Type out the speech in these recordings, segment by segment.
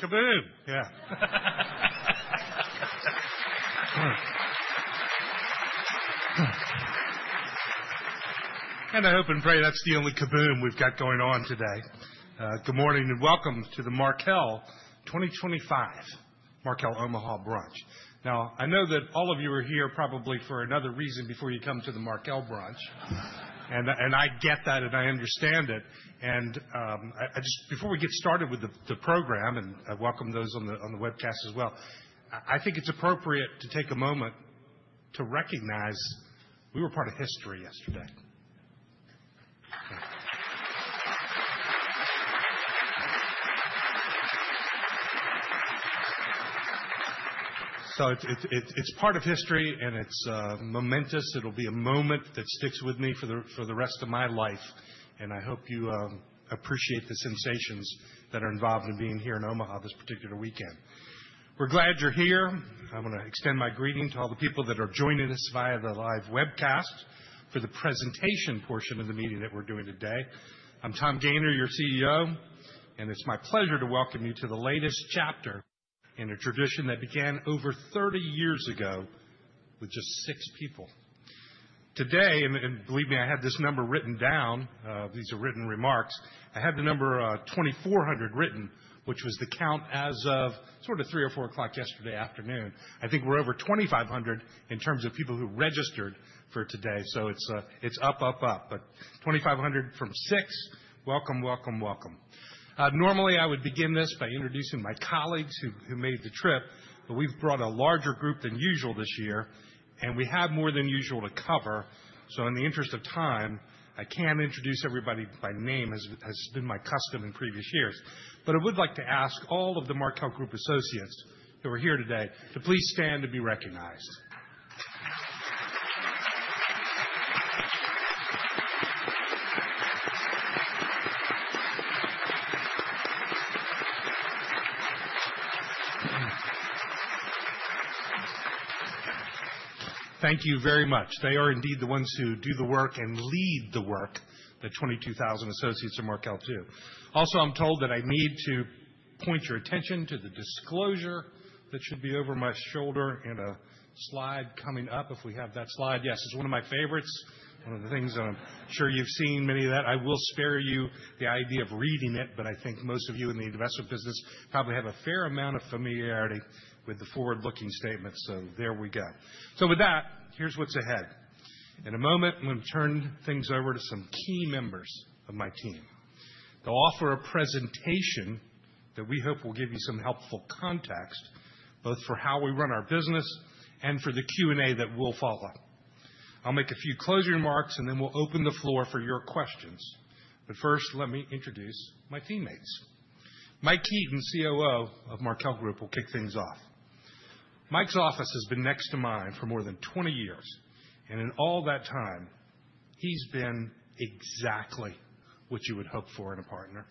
Kaboom. Yeah. I hope and pray that's the only kaboom we've got going on today. Good morning and welcome to the Markel 2025 Markel Omaha Brunch. Now, I know that all of you are here probably for another reason before you come to the Markel Brunch, and I get that and I understand it. I just, before we get started with the program, and I welcome those on the webcast as well, I think it's appropriate to take a moment to recognize we were part of history yesterday. It is part of history and it's momentous. It'll be a moment that sticks with me for the rest of my life. I hope you appreciate the sensations that are involved in being here in Omaha this particular weekend. We're glad you're here. I want to extend my greeting to all the people that are joining us via the live webcast for the presentation portion of the meeting that we're doing today. I'm Tom Gayner, your CEO, and it's my pleasure to welcome you to the latest chapter in a tradition that began over 30 years ago with just six people. Today, and believe me, I had this number written down, these are written remarks. I had the number 2,400 written, which was the count as of sort of 3:00 or 4:00 yesterday afternoon. I think we're over 2,500 in terms of people who registered for today. It's up, up, up. But 2,500 from six. Welcome, welcome, welcome. Normally, I would begin this by introducing my colleagues who made the trip, but we've brought a larger group than usual this year, and we have more than usual to cover. In the interest of time, I can't introduce everybody by name as has been my custom in previous years. I would like to ask all of the Markel Group associates who are here today to please stand and be recognized. Thank you very much. They are indeed the ones who do the work and lead the work that 22,000 associates of Markel do. Also, I'm told that I need to point your attention to the disclosure that should be over my shoulder in a slide coming up. If we have that slide, yes, it's one of my favorites. One of the things that I'm sure you've seen, many of that. I will spare you the idea of reading it, but I think most of you in the investment business probably have a fair amount of familiarity with the forward-looking statement. There we go. With that, here's what's ahead. In a moment, I'm going to turn things over to some key members of my team. They'll offer a presentation that we hope will give you some helpful context both for how we run our business and for the Q&A that will follow. I'll make a few closing remarks, and then we'll open the floor for your questions. First, let me introduce my teammates. Mike Heaton, COO of Markel Group, will kick things off. Mike's office has been next to mine for more than 20 years, and in all that time, he's been exactly what you would hope for in a partner.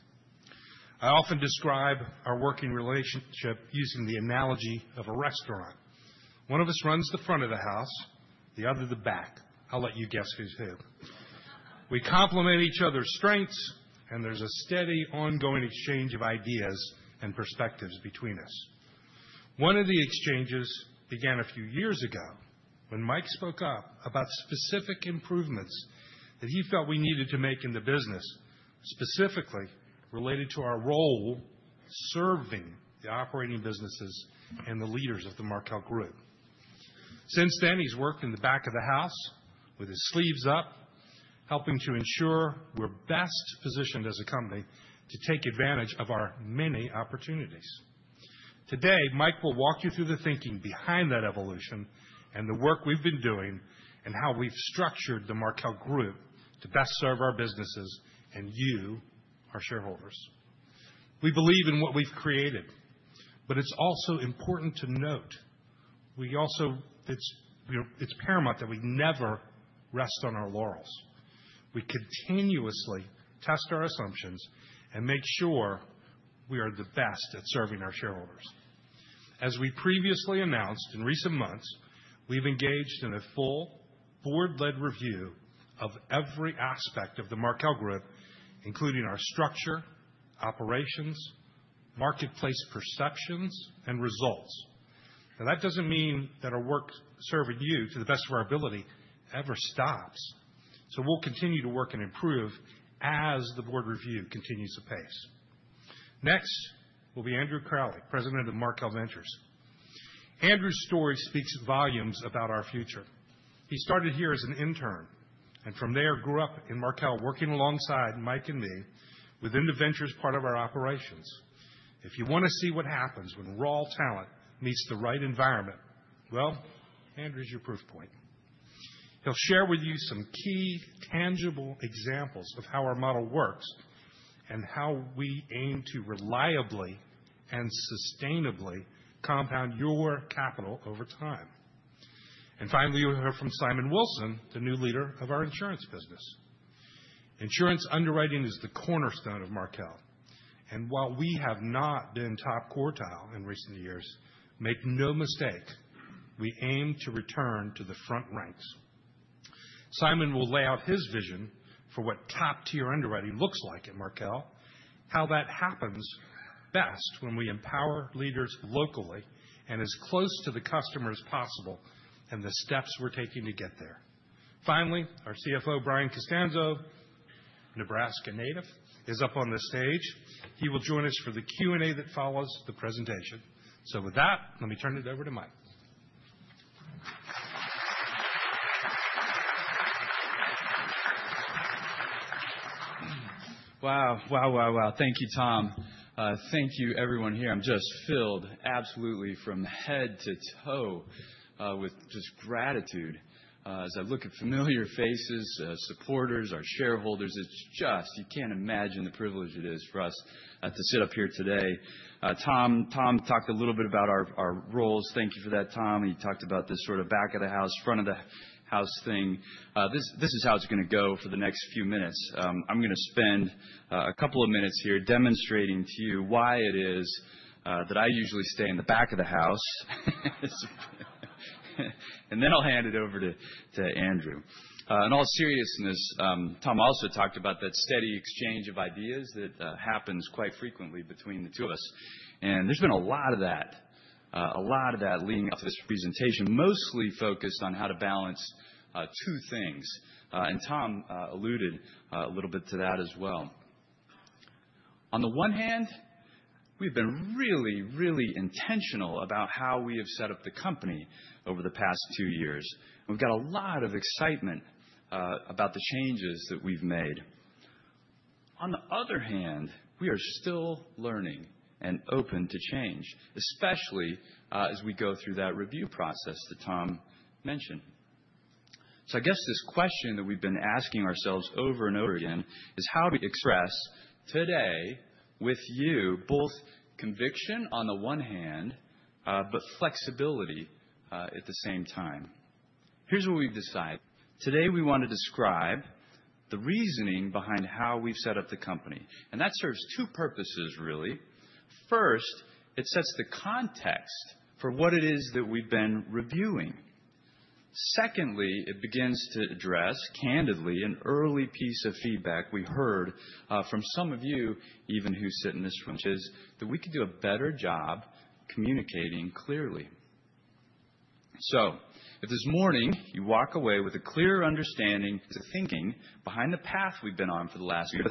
I often describe our working relationship using the analogy of a restaurant. One of us runs the front of the house, the other the back. I'll let you guess who's who. We complement each other's strengths, and there's a steady ongoing exchange of ideas and perspectives between us. One of the exchanges began a few years ago when Mike spoke up about specific improvements that he felt we needed to make in the business, specifically related to our role serving the operating businesses and the leaders of the Markel Group. Since then, he's worked in the back of the house with his sleeves up, helping to ensure we're best positioned as a company to take advantage of our many opportunities. Today, Mike will walk you through the thinking behind that evolution and the work we've been doing and how we've structured the Markel Group to best serve our businesses and you, our shareholders. We believe in what we've created, but it's also important to note it's paramount that we never rest on our laurels. We continuously test our assumptions and make sure we are the best at serving our shareholders. As we previously announced in recent months, we've engaged in a full board-led review of every aspect of the Markel Group, including our structure, operations, marketplace perceptions, and results. That doesn't mean that our work serving you to the best of our ability ever stops. We'll continue to work and improve as the board review continues to pace. Next will be Andrew Crowley, President of Markel Ventures. Andrew's story speaks volumes about our future. He started here as an intern and from there grew up in Markel working alongside Mike and me within the ventures part of our operations. If you want to see what happens when raw talent meets the right environment, Andrew's your proof point. He'll share with you some key tangible examples of how our model works and how we aim to reliably and sustainably compound your capital over time. Finally, you'll hear from Simon Wilson, the new leader of our insurance business. Insurance underwriting is the cornerstone of Markel. While we have not been top quartile in recent years, make no mistake, we aim to return to the front ranks. Simon will lay out his vision for what top-tier underwriting looks like at Markel, how that happens best when we empower leaders locally and as close to the customer as possible and the steps we're taking to get there. Finally, our CFO, Brian Costanzo, Nebraska native, is up on the stage. He will join us for the Q&A that follows the presentation. With that, let me turn it over to Mike. Wow, wow, wow, wow. Thank you, Tom. Thank you, everyone here. I'm just filled absolutely from head to toe with just gratitude as I look at familiar faces, supporters, our shareholders. It's just, you can't imagine the privilege it is for us to sit up here today. Tom talked a little bit about our roles. Thank you for that, Tom. He talked about this sort of back of the house, front of the house thing. This is how it's going to go for the next few minutes. I'm going to spend a couple of minutes here demonstrating to you why it is that I usually stay in the back of the house. And then I'll hand it over to Andrew. In all seriousness, Tom also talked about that steady exchange of ideas that happens quite frequently between the two of us. There has been a lot of that leading up to this presentation, mostly focused on how to balance two things. Tom alluded a little bit to that as well. On the one hand, we have been really, really intentional about how we have set up the company over the past two years. We have a lot of excitement about the changes that we have made. On the other hand, we are still learning and open to change, especially as we go through that review process that Tom mentioned. I guess this question that we have been asking ourselves over and over again is how do we express today with you both conviction on the one hand, but flexibility at the same time. Here is what we have decided. Today, we want to describe the reasoning behind how we have set up the company. That serves two purposes, really. First, it sets the context for what it is that we've been reviewing. Secondly, it begins to address candidly an early piece of feedback we heard from some of you even who sit in this room, which is that we could do a better job communicating clearly. If this morning you walk away with a clear understanding of the thinking behind the path we've been on for the last year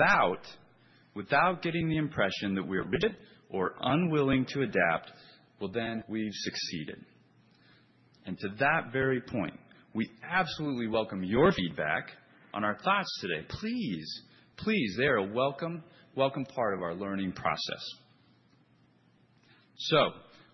without getting the impression that we're rigid or unwilling to adapt, then we've succeeded. To that very point, we absolutely welcome your feedback on our thoughts today. Please, please, they are a welcome, welcome part of our learning process.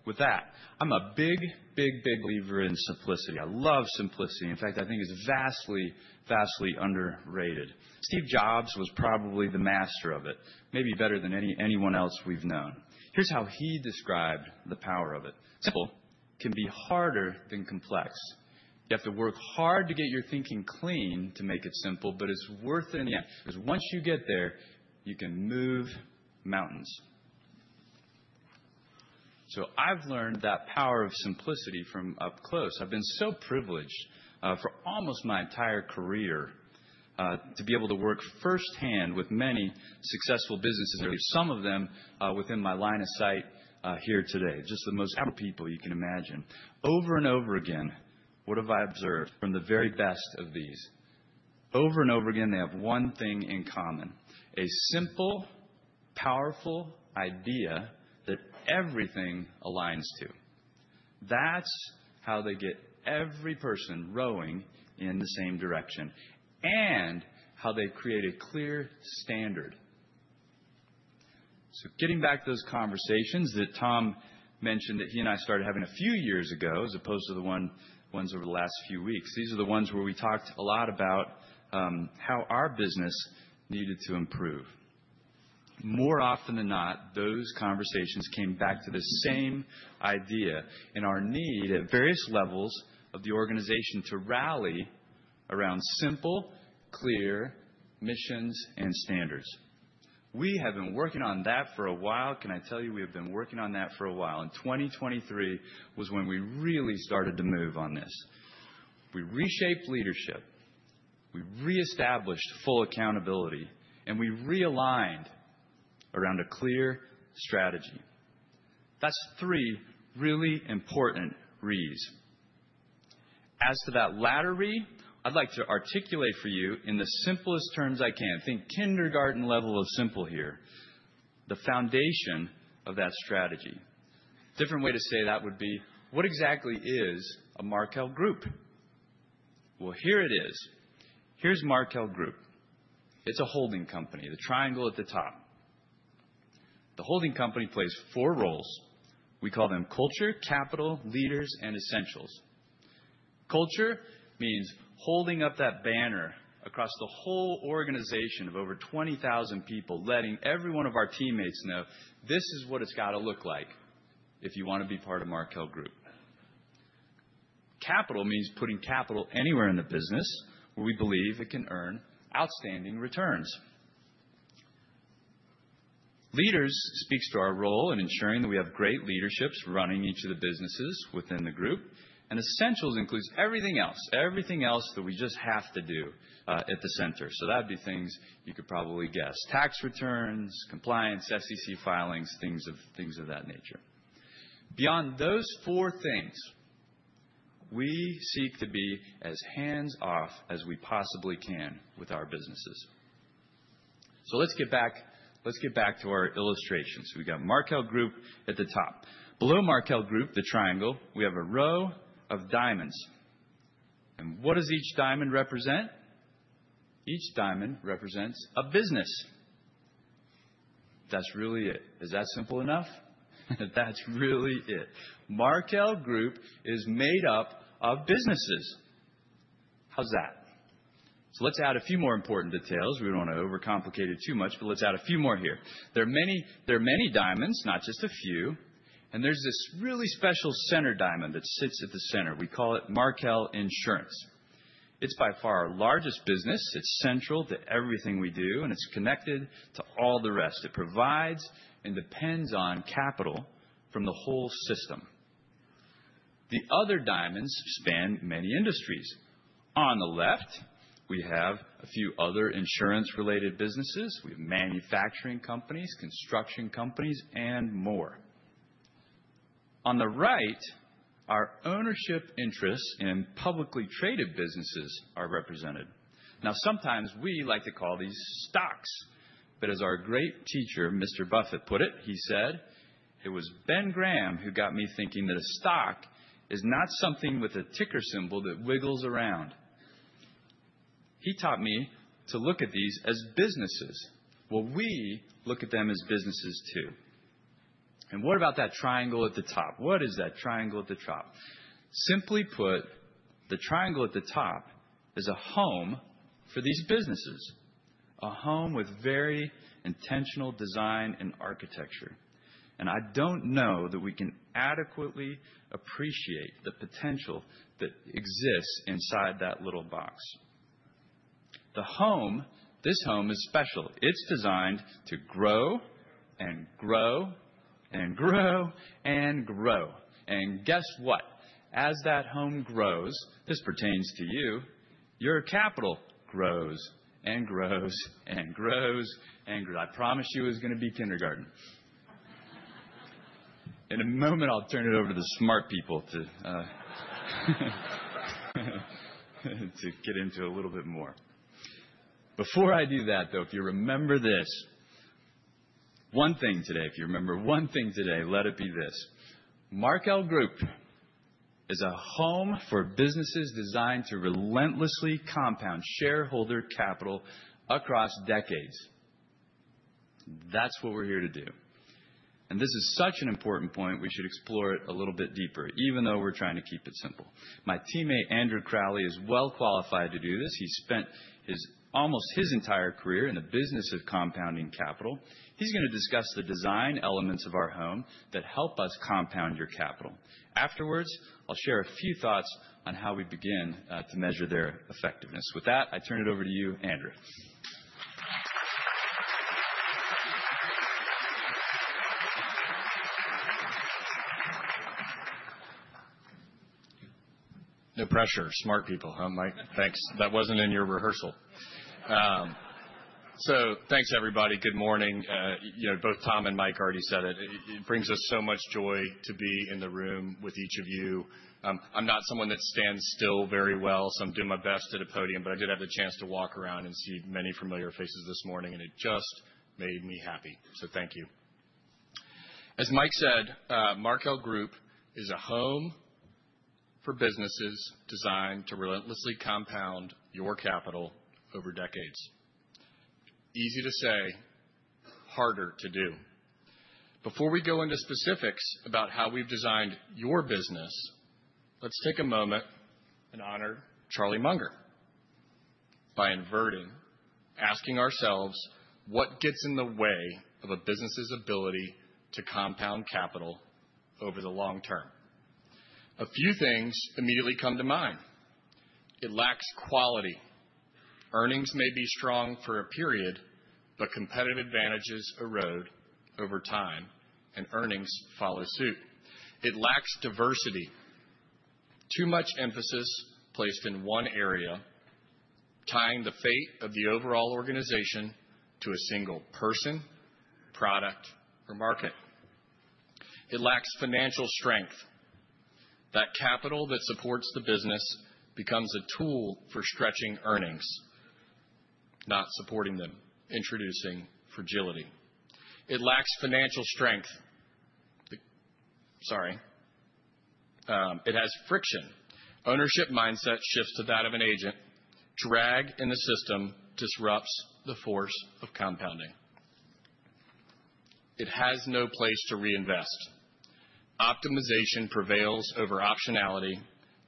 With that, I'm a big, big, big believer in simplicity. I love simplicity. In fact, I think it's vastly, vastly underrated. Steve Jobs was probably the master of it, maybe better than anyone else we've known. Here's how he described the power of it. Simple can be harder than complex. You have to work hard to get your thinking clean to make it simple, but it's worth it in the end because once you get there, you can move mountains. I have learned that power of simplicity from up close. I have been so privileged for almost my entire career to be able to work firsthand with many successful businesses, some of them within my line of sight here today, just the most Apple people you can imagine. Over and over again, what have I observed from the very best of these? Over and over again, they have one thing in common: a simple, powerful idea that everything aligns to. That is how they get every person rowing in the same direction and how they create a clear standard. Getting back to those conversations that Tom mentioned that he and I started having a few years ago as opposed to the ones over the last few weeks, these are the ones where we talked a lot about how our business needed to improve. More often than not, those conversations came back to the same idea and our need at various levels of the organization to rally around simple, clear missions and standards. We have been working on that for a while. Can I tell you we have been working on that for a while? And 2023 was when we really started to move on this. We reshaped leadership, we reestablished full accountability, and we realigned around a clear strategy. That is three really important re's. As for that latter re, I would like to articulate for you in the simplest terms I can. Think kindergarten level of simple here. The foundation of that strategy. A different way to say that would be, what exactly is a Markel Group? Here it is. Here is Markel Group. It is a holding company, the triangle at the top. The holding company plays four roles. We call them culture, capital, leaders, and essentials. Culture means holding up that banner across the whole organization of over 20,000 people, letting every one of our teammates know this is what it has got to look like if you want to be part of Markel Group. Capital means putting capital anywhere in the business where we believe it can earn outstanding returns. Leaders speaks to our role in ensuring that we have great leaderships running each of the businesses within the group. Essentials includes everything else, everything else that we just have to do at the center. That would be things you could probably guess: tax returns, compliance, SEC filings, things of that nature. Beyond those four things, we seek to be as hands-off as we possibly can with our businesses. Let's get back to our illustrations. We've got Markel Group at the top. Below Markel Group, the triangle, we have a row of diamonds. What does each diamond represent? Each diamond represents a business. That's really it. Is that simple enough? That's really it. Markel Group is made up of businesses. How's that? Let's add a few more important details. We don't want to overcomplicate it too much, but let's add a few more here. There are many diamonds, not just a few. There's this really special center diamond that sits at the center. We call it Markel Insurance. It's by far our largest business. It's central to everything we do, and it's connected to all the rest. It provides and depends on capital from the whole system. The other diamonds span many industries. On the left, we have a few other insurance-related businesses. We have manufacturing companies, construction companies, and more. On the right, our ownership interests in publicly traded businesses are represented. Now, sometimes we like to call these stocks. But as our great teacher, Mr. Buffett, put it, he said, "It was Ben Graham who got me thinking that a stock is not something with a ticker symbol that wiggles around." He taught me to look at these as businesses. Well, we look at them as businesses too. And what about that triangle at the top? What is that triangle at the top? Simply put, the triangle at the top is a home for these businesses, a home with very intentional design and architecture. I don't know that we can adequately appreciate the potential that exists inside that little box. This home is special. It's designed to grow and grow and grow and grow. Guess what? As that home grows, this pertains to you, your capital grows and grows and grows and grows. I promised you it was going to be kindergarten. In a moment, I'll turn it over to the smart people to get into a little bit more. Before I do that, though, if you remember this, one thing today, if you remember one thing today, let it be this: Markel Group is a home for businesses designed to relentlessly compound shareholder capital across decades. That's what we're here to do. This is such an important point. We should explore it a little bit deeper, even though we're trying to keep it simple. My teammate, Andrew Crowley, is well qualified to do this. He spent almost his entire career in the business of compounding capital. He's going to discuss the design elements of our home that help us compound your capital. Afterwards, I'll share a few thoughts on how we begin to measure their effectiveness. With that, I turn it over to you, Andrew. No pressure. Smart people, huh, Mike? Thanks. That wasn't in your rehearsal. Thanks, everybody. Good morning. Both Tom and Mike already said it. It brings us so much joy to be in the room with each of you. I'm not someone that stands still very well, so I'm doing my best at a podium, but I did have the chance to walk around and see many familiar faces this morning, and it just made me happy. Thank you. As Mike said, Markel Group is a home for businesses designed to relentlessly compound your capital over decades. Easy to say, harder to do. Before we go into specifics about how we've designed your business, let's take a moment and honor Charlie Munger by inverting, asking ourselves, what gets in the way of a business's ability to compound capital over the long term? A few things immediately come to mind. It lacks quality. Earnings may be strong for a period, but competitive advantages erode over time, and earnings follow suit. It lacks diversity. Too much emphasis placed in one area, tying the fate of the overall organization to a single person, product, or market. It lacks financial strength. That capital that supports the business becomes a tool for stretching earnings, not supporting them, introducing fragility. It lacks financial strength. Sorry. It has friction. Ownership mindset shifts to that of an agent. Drag in the system disrupts the force of compounding. It has no place to reinvest. Optimization prevails over optionality,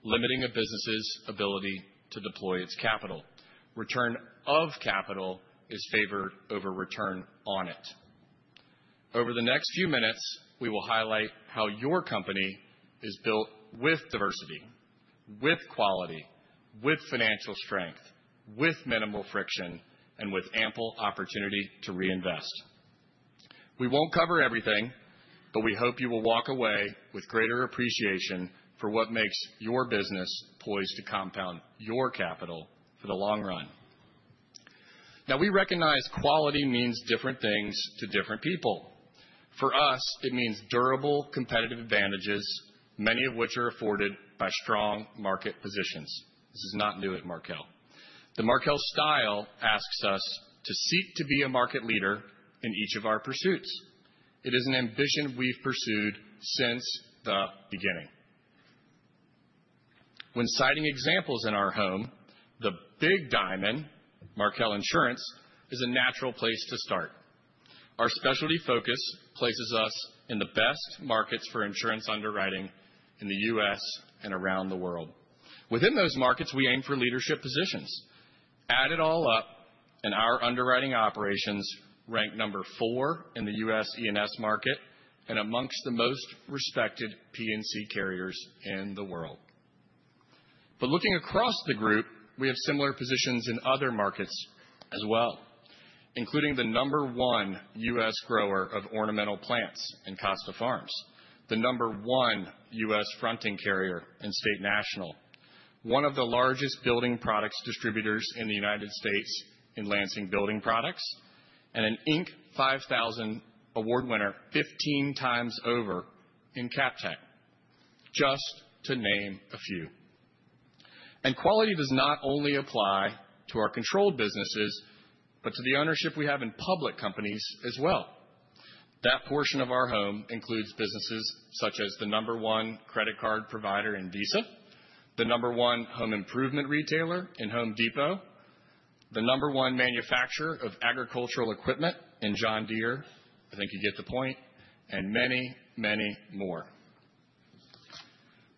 limiting a business's ability to deploy its capital. Return of capital is favored over return on it. Over the next few minutes, we will highlight how your company is built with diversity, with quality, with financial strength, with minimal friction, and with ample opportunity to reinvest. We won't cover everything, but we hope you will walk away with greater appreciation for what makes your business poised to compound your capital for the long run. Now, we recognize quality means different things to different people. For us, it means durable competitive advantages, many of which are afforded by strong market positions. This is not new at Markel. The Markel style asks us to seek to be a market leader in each of our pursuits. It is an ambition we've pursued since the beginning. When citing examples in our home, the big diamond, Markel Insurance, is a natural place to start. Our specialty focus places us in the best markets for insurance underwriting in the U.S. and around the world. Within those markets, we aim for leadership positions. Add it all up, and our underwriting operations rank number four in the U.S. E&S market and amongst the most respected P&C carriers in the world. Looking across the group, we have similar positions in other markets as well, including the number one U.S. grower of ornamental plants in Costa Farms, the number one U.S. fronting carrier in State National, one of the largest building products distributors in the United States in Lansing Building Products, and an Inc. 5000 award winner 15x over in CapTech, just to name a few. Quality does not only apply to our controlled businesses, but to the ownership we have in public companies as well. That portion of our home includes businesses such as the number one credit card provider in Visa, the number one home improvement retailer in Home Depot, the number one manufacturer of agricultural equipment in John Deere. I think you get the point, and many, many more.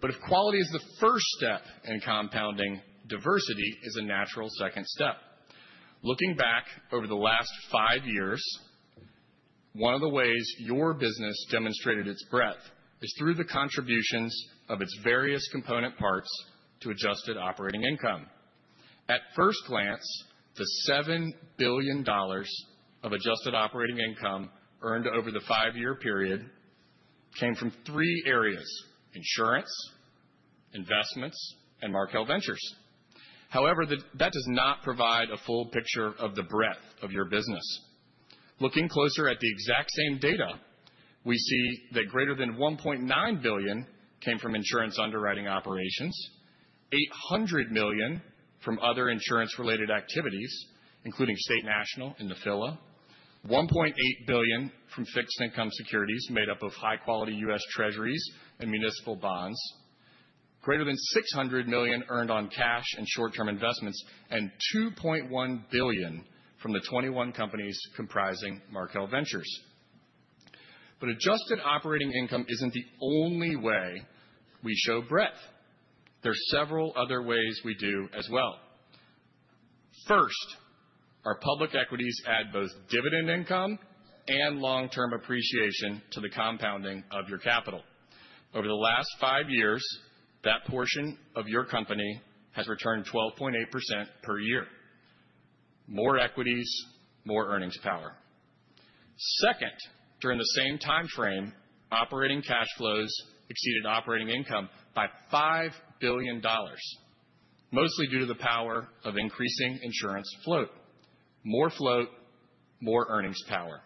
If quality is the first step in compounding, diversity is a natural second step. Looking back over the last five years, one of the ways your business demonstrated its breadth is through the contributions of its various component parts to adjusted operating income. At first glance, the $7 billion of adjusted operating income earned over the five-year period came from three areas: insurance, investments, and Markel Ventures. However, that does not provide a full picture of the breadth of your business. Looking closer at the exact same data, we see that greater than $1.9 billion came from insurance underwriting operations, $800 million from other insurance-related activities, including State National in the fila, $1.8 billion from fixed income securities made up of high-quality U.S. Treasuries and municipal bonds, greater than $600 million earned on cash and short-term investments, and $2.1 billion from the 21 companies comprising Markel Ventures. Adjusted operating income is not the only way we show breadth. There are several other ways we do as well. First, our public equities add both dividend income and long-term appreciation to the compounding of your capital. Over the last five years, that portion of your company has returned 12.8% per year. More equities, more earnings power. Second, during the same timeframe, operating cash flows exceeded operating income by $5 billion, mostly due to the power of increasing insurance float. More float, more earnings power.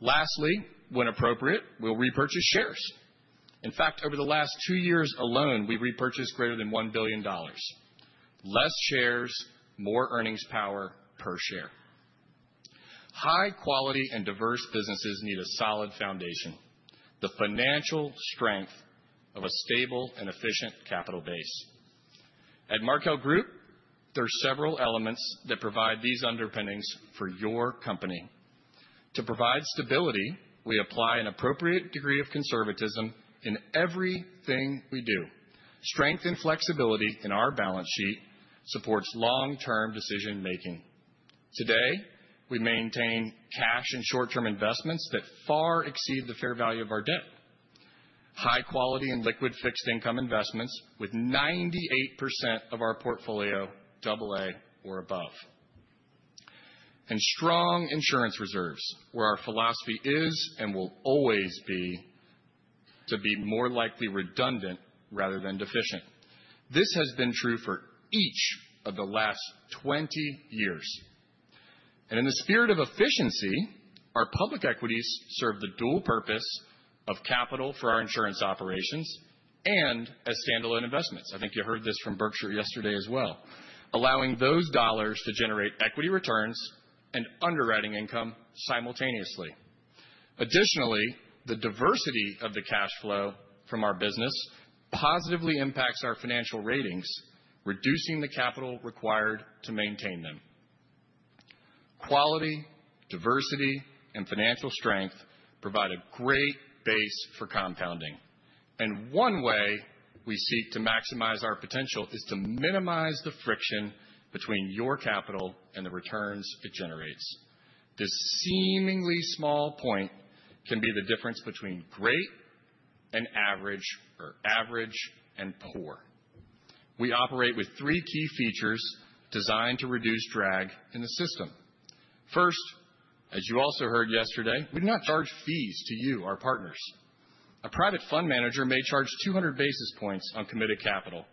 Lastly, when appropriate, we will repurchase shares. In fact, over the last two years alone, we have repurchased greater than $1 billion. Less shares, more earnings power per share. High-quality and diverse businesses need a solid foundation, the financial strength of a stable and efficient capital base. At Markel Group, there are several elements that provide these underpinnings for your company. To provide stability, we apply an appropriate degree of conservatism in everything we do. Strength and flexibility in our balance sheet supports long-term decision-making. Today, we maintain cash and short-term investments that far exceed the fair value of our debt. High-quality and liquid fixed income investments with 98% of our portfolio, AA or above. Strong insurance reserves, where our philosophy is and will always be to be more likely redundant rather than deficient. This has been true for each of the last 20 years. In the spirit of efficiency, our public equities serve the dual purpose of capital for our insurance operations and as standalone investments. I think you heard this from Berkshire yesterday as well, allowing those dollars to generate equity returns and underwriting income simultaneously. Additionally, the diversity of the cash flow from our business positively impacts our financial ratings, reducing the capital required to maintain them. Quality, diversity, and financial strength provide a great base for compounding. One way we seek to maximize our potential is to minimize the friction between your capital and the returns it generates. This seemingly small point can be the difference between great and average or average and poor. We operate with three key features designed to reduce drag in the system. First, as you also heard yesterday, we do not charge fees to you, our partners. A private fund manager may charge 200 basis points on committed capital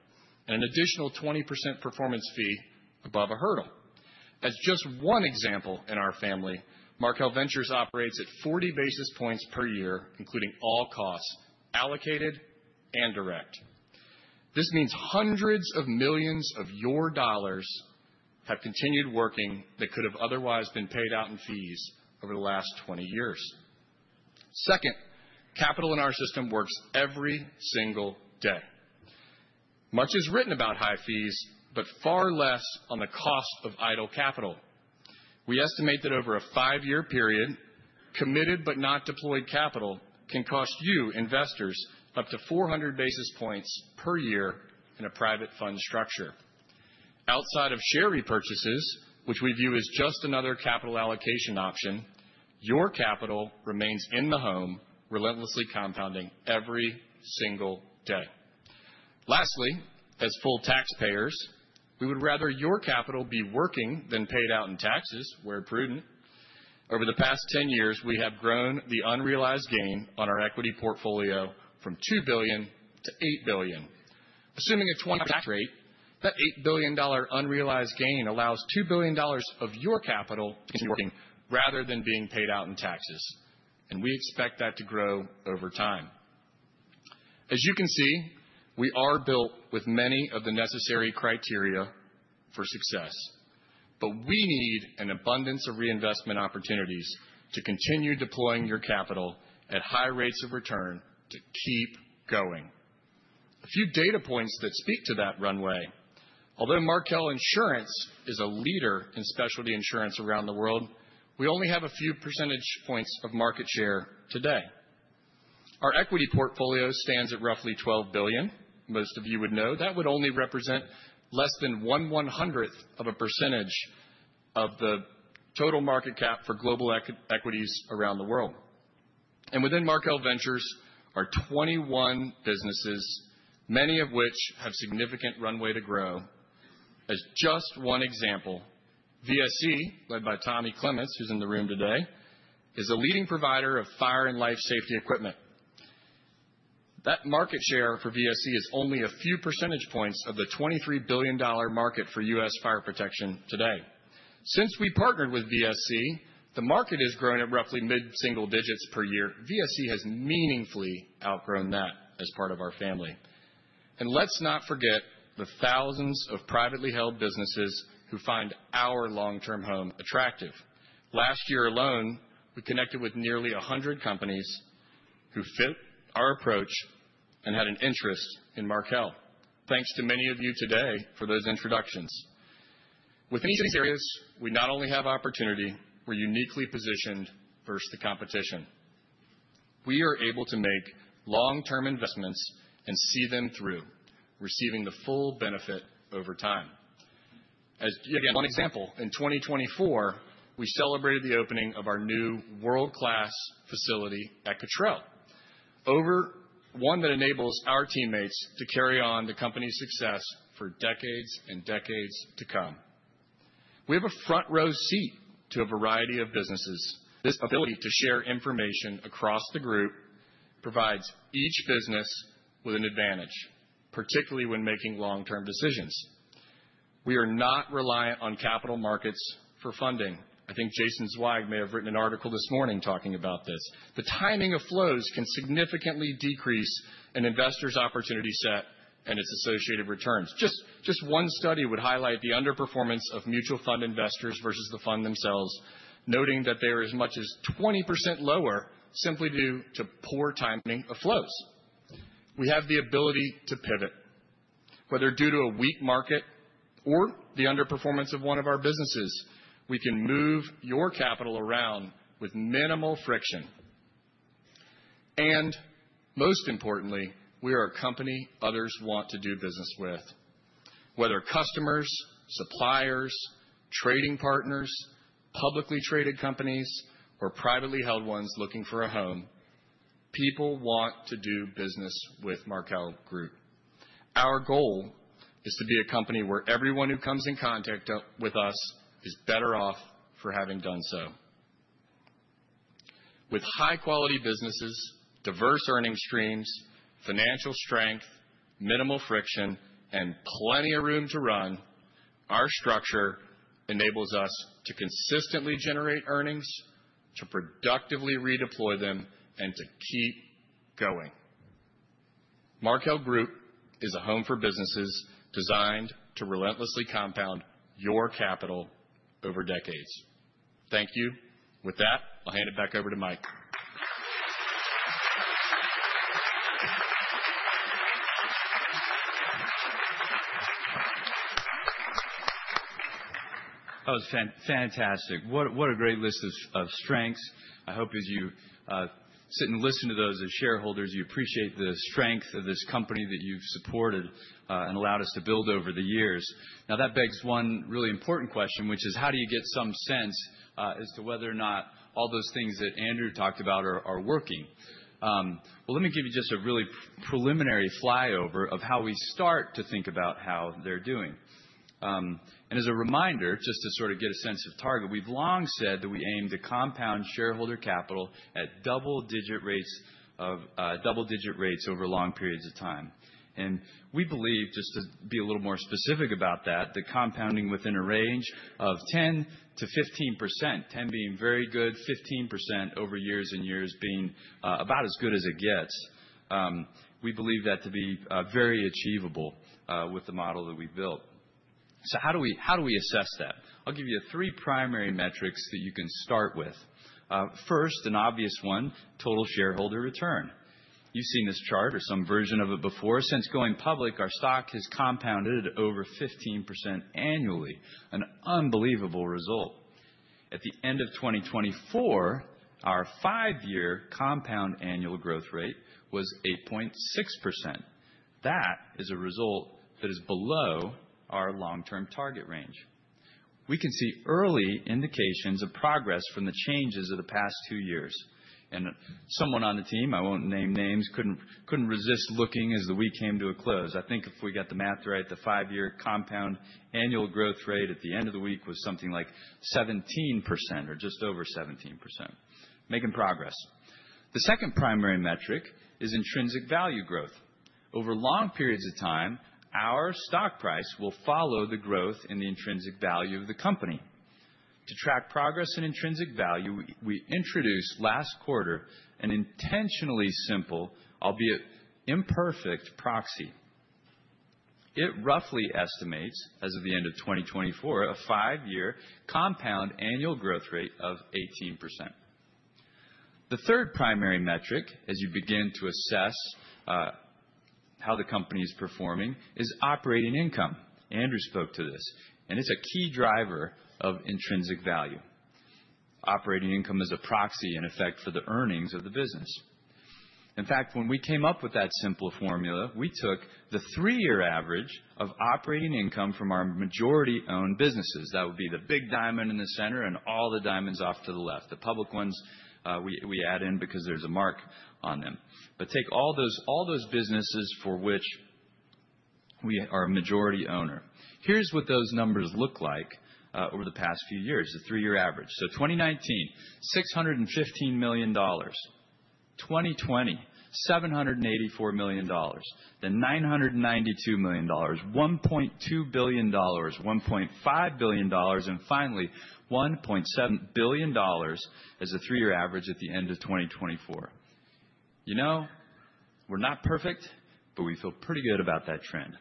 and an additional 20% performance fee above a hurdle. As just one example in our family, Markel Ventures operates at 40 basis points per year, including all costs allocated and direct. This means hundreds of millions of your dollars have continued working that could have otherwise been paid out in fees over the last 20 years. Second, capital in our system works every single day. Much is written about high fees, but far less on the cost of idle capital. We estimate that over a five-year period, committed but not deployed capital can cost you, investors, up to 400 basis points per year in a private fund structure. Outside of share repurchases, which we view as just another capital allocation option, your capital remains in the home, relentlessly compounding every single day. Lastly, as full taxpayers, we would rather your capital be working than paid out in taxes, where prudent. Over the past 10 years, we have grown the unrealized gain on our equity portfolio from $2 billion-$8 billion. Assuming a 20% tax rate, that $8 billion unrealized gain allows $2 billion of your capital to be working rather than being paid out in taxes. We expect that to grow over time. As you can see, we are built with many of the necessary criteria for success. We need an abundance of reinvestment opportunities to continue deploying your capital at high rates of return to keep going. A few data points that speak to that runway. Although Markel Insurance is a leader in specialty insurance around the world, we only have a few percentage points of market share today. Our equity portfolio stands at roughly $12 billion. Most of you would know that would only represent less than one-one-hundredth of a percentage of the total market cap for global equities around the world. Within Markel Ventures are 21 businesses, many of which have significant runway to grow. As just one example, VSC, led by Tommy Clements, who's in the room today, is a leading provider of fire and life safety equipment. That market share for VSC is only a few percentage points of the $23 billion market for U.S. fire protection today. Since we partnered with VSC, the market has grown at roughly mid-single digits per year. VSC has meaningfully outgrown that as part of our family. Let's not forget the thousands of privately held businesses who find our long-term home attractive. Last year alone, we connected with nearly 100 companies who fit our approach and had an interest in Markel. Thanks to many of you today for those introductions. With these experiences, we not only have opportunity, we're uniquely positioned versus the competition. We are able to make long-term investments and see them through, receiving the full benefit over time. As yet again, one example, in 2024, we celebrated the opening of our new world-class facility at Cottrell, one that enables our teammates to carry on the company's success for decades and decades to come. We have a front-row seat to a variety of businesses. This ability to share information across the group provides each business with an advantage, particularly when making long-term decisions. We are not reliant on capital markets for funding. I think Jason Zweig may have written an article this morning talking about this. The timing of flows can significantly decrease an investor's opportunity set and its associated returns. Just one study would highlight the underperformance of mutual fund investors versus the fund themselves, noting that they are as much as 20% lower simply due to poor timing of flows. We have the ability to pivot. Whether due to a weak market or the underperformance of one of our businesses, we can move your capital around with minimal friction. Most importantly, we are a company others want to do business with. Whether customers, suppliers, trading partners, publicly traded companies, or privately held ones looking for a home, people want to do business with Markel Group. Our goal is to be a company where everyone who comes in contact with us is better off for having done so. With high-quality businesses, diverse earnings streams, financial strength, minimal friction, and plenty of room to run, our structure enables us to consistently generate earnings, to productively redeploy them, and to keep going. Markel Group is a home for businesses designed to relentlessly compound your capital over decades. Thank you. With that, I'll hand it back over to Mike. That was fantastic. What a great list of strengths. I hope as you sit and listen to those as shareholders, you appreciate the strength of this company that you've supported and allowed us to build over the years. That begs one really important question, which is how do you get some sense as to whether or not all those things that Andrew talked about are working? Let me give you just a really preliminary flyover of how we start to think about how they're doing. As a reminder, just to sort of get a sense of target, we've long said that we aim to compound shareholder capital at double-digit rates over long periods of time. We believe, just to be a little more specific about that, that compounding within a range of 10-15%, 10% being very good, 15% over years and years being about as good as it gets, we believe that to be very achievable with the model that we've built. How do we assess that? I'll give you three primary metrics that you can start with. First, an obvious one, total shareholder return. You've seen this chart or some version of it before. Since going public, our stock has compounded at over 15% annually, an unbelievable result. At the end of 2024, our five-year compound annual growth rate was 8.6%. That is a result that is below our long-term target range. We can see early indications of progress from the changes of the past two years. Someone on the team, I won't name names, couldn't resist looking as the week came to a close. I think if we got the math right, the five-year compound annual growth rate at the end of the week was something like 17% or just over 17%. Making progress. The second primary metric is intrinsic value growth. Over long periods of time, our stock price will follow the growth in the intrinsic value of the company. To track progress in intrinsic value, we introduced last quarter an intentionally simple, albeit imperfect, proxy. It roughly estimates, as of the end of 2024, a five-year compound annual growth rate of 18%. The third primary metric, as you begin to assess how the company is performing, is operating income. Andrew spoke to this. And it's a key driver of intrinsic value. Operating income is a proxy in effect for the earnings of the business. In fact, when we came up with that simple formula, we took the three-year average of operating income from our majority-owned businesses. That would be the big diamond in the center and all the diamonds off to the left. The public ones, we add in because there's a mark on them. Take all those businesses for which we are a majority owner. Here's what those numbers look like over the past few years, the three-year average. 2019, $615 million. 2020, $784 million. $992 million. $1.2 billion. $1.5 billion. Finally, $1.7 billion as a three-year average at the end of 2024. You know, we're not perfect, but we feel pretty good about that trend.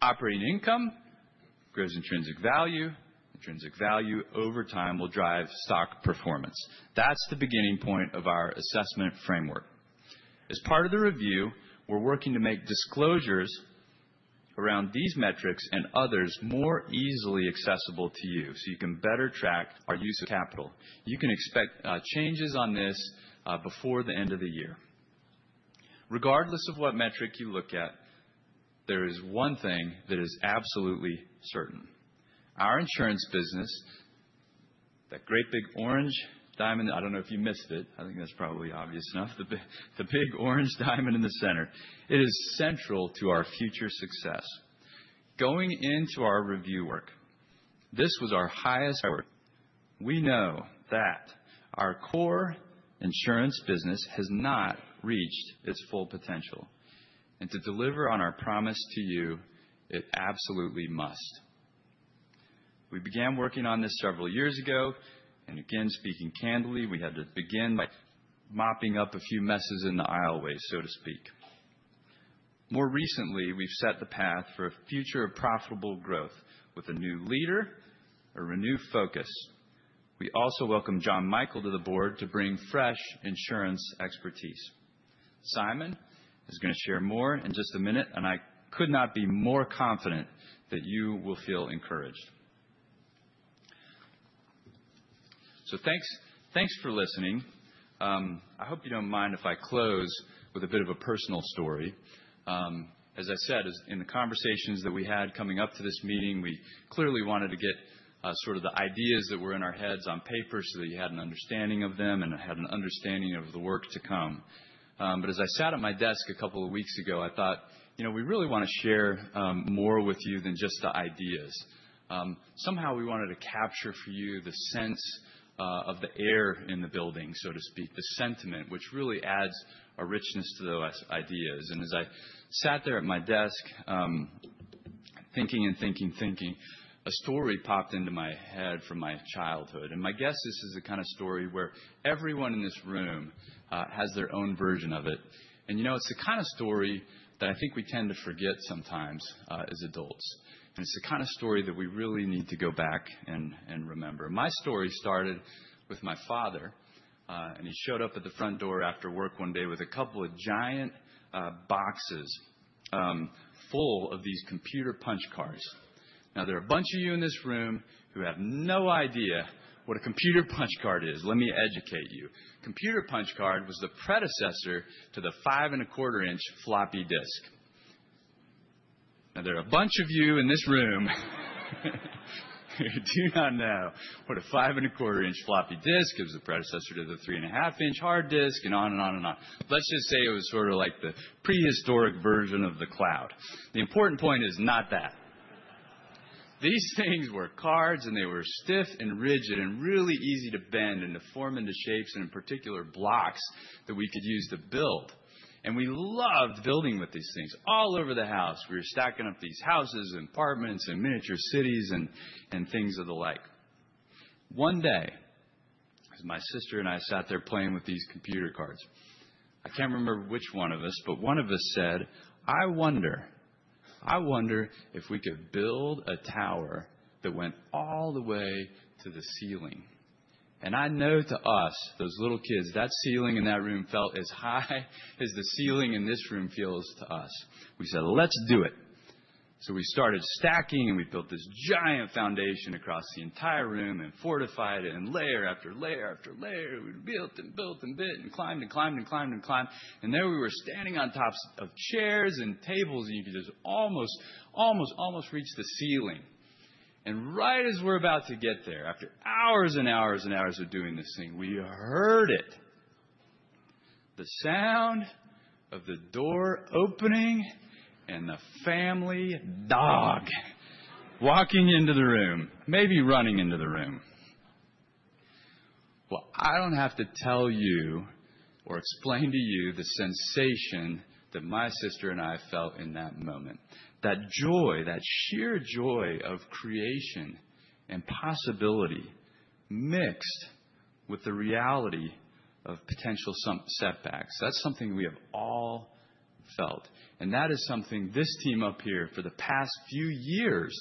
Operating income grows intrinsic value. Intrinsic value over time will drive stock performance. That's the beginning point of our assessment framework. As part of the review, we're working to make disclosures around these metrics and others more easily accessible to you so you can better track our use of capital. You can expect changes on this before the end of the year. Regardless of what metric you look at, there is one thing that is absolutely certain. Our insurance business, that great big orange diamond, I don't know if you missed it. I think that's probably obvious enough, the big orange diamond in the center. It is central to our future success. Going into our review work, this was our highest priority. We know that our core insurance business has not reached its full potential. To deliver on our promise to you, it absolutely must. We began working on this several years ago. Again, speaking candidly, we had to begin by mopping up a few messes in the aisleway, so to speak. More recently, we've set the path for a future of profitable growth with a new leader or a new focus. We also welcome John Michael to the board to bring fresh insurance expertise. Simon is going to share more in just a minute, and I could not be more confident that you will feel encouraged. Thanks for listening. I hope you don't mind if I close with a bit of a personal story. As I said, in the conversations that we had coming up to this meeting, we clearly wanted to get sort of the ideas that were in our heads on paper so that you had an understanding of them and had an understanding of the work to come. As I sat at my desk a couple of weeks ago, I thought, you know, we really want to share more with you than just the ideas. Somehow, we wanted to capture for you the sense of the air in the building, so to speak, the sentiment, which really adds a richness to those ideas. As I sat there at my desk, thinking and thinking, thinking, a story popped into my head from my childhood. My guess is this is the kind of story where everyone in this room has their own version of it. You know, it's the kind of story that I think we tend to forget sometimes as adults. It's the kind of story that we really need to go back and remember. My story started with my father, and he showed up at the front door after work one day with a couple of giant boxes full of these computer punch cards. Now, there are a bunch of you in this room who have no idea what a computer punch card is. Let me educate you. Computer punch card was the predecessor to the five-and-a-quarter-inch floppy disk. Now, there are a bunch of you in this room who do not know what a five-and-a-quarter-inch floppy disk is, the predecessor to the three-and-a-half-inch hard disk, and on and on and on. Let's just say it was sort of like the prehistoric version of the cloud. The important point is not that. These things were cards, and they were stiff and rigid and really easy to bend and to form into shapes and in particular blocks that we could use to build. We loved building with these things. All over the house, we were stacking up these houses and apartments and miniature cities and things of the like. One day, as my sister and I sat there playing with these computer cards, I cannot remember which one of us, but one of us said, "I wonder, I wonder if we could build a tower that went all the way to the ceiling." I know to us, those little kids, that ceiling in that room felt as high as the ceiling in this room feels to us. We said, "Let's do it." We started stacking, and we built this giant foundation across the entire room and fortified it and layer after layer after layer. We built and built and built and climbed and climbed and climbed and climbed. There we were standing on tops of chairs and tables, and you could just almost, almost, almost reach the ceiling. Right as we were about to get there, after hours and hours and hours of doing this thing, we heard it. The sound of the door opening and the family dog walking into the room, maybe running into the room. I do not have to tell you or explain to you the sensation that my sister and I felt in that moment. That joy, that sheer joy of creation and possibility mixed with the reality of potential setbacks. That is something we have all felt. That is something this team up here for the past few years,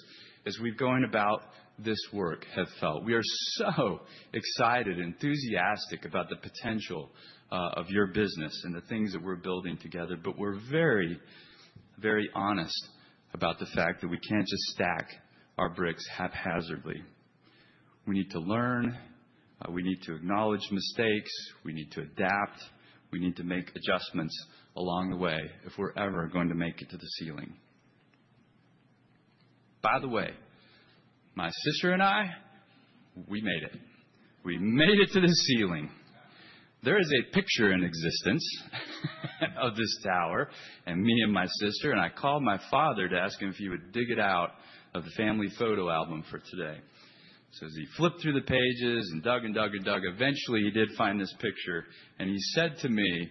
as we have gone about this work, have felt. We are so excited, enthusiastic about the potential of your business and the things that we're building together, but we're very, very honest about the fact that we can't just stack our bricks haphazardly. We need to learn. We need to acknowledge mistakes. We need to adapt. We need to make adjustments along the way if we're ever going to make it to the ceiling. By the way, my sister and I, we made it. We made it to the ceiling. There is a picture in existence of this tower, and me and my sister, and I called my father to ask him if he would dig it out of the family photo album for today. As he flipped through the pages and dug and dug and dug, eventually he did find this picture. He said to me,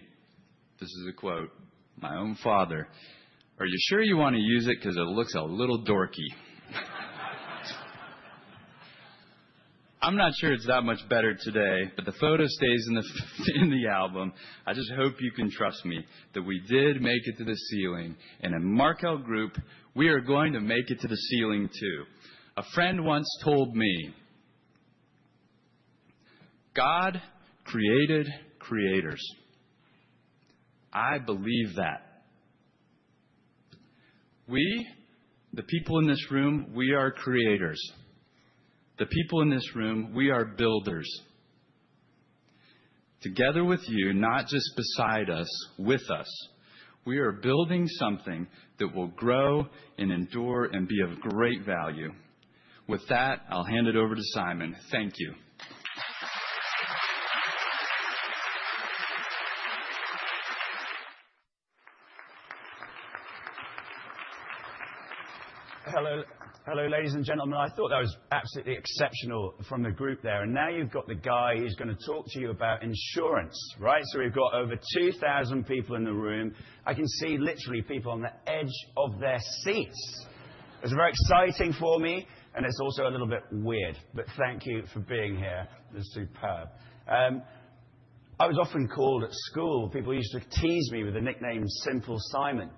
this is a quote, "My own father, are you sure you want to use it because it looks a little dorky?" I'm not sure it's that much better today, but the photo stays in the album. I just hope you can trust me that we did make it to the ceiling. At Markel Group, we are going to make it to the ceiling too. A friend once told me, "God created creators." I believe that. We, the people in this room, we are creators. The people in this room, we are builders. Together with you, not just beside us, with us, we are building something that will grow and endure and be of great value. With that, I'll hand it over to Simon. Thank you. Hello, ladies and gentlemen. I thought that was absolutely exceptional from the group there. Now you've got the guy who's going to talk to you about insurance, right? We've got over 2,000 people in the room. I can see literally people on the edge of their seats. It's very exciting for me, and it's also a little bit weird. Thank you for being here. It's superb. I was often called at school. People used to tease me with the nickname Simple Simon.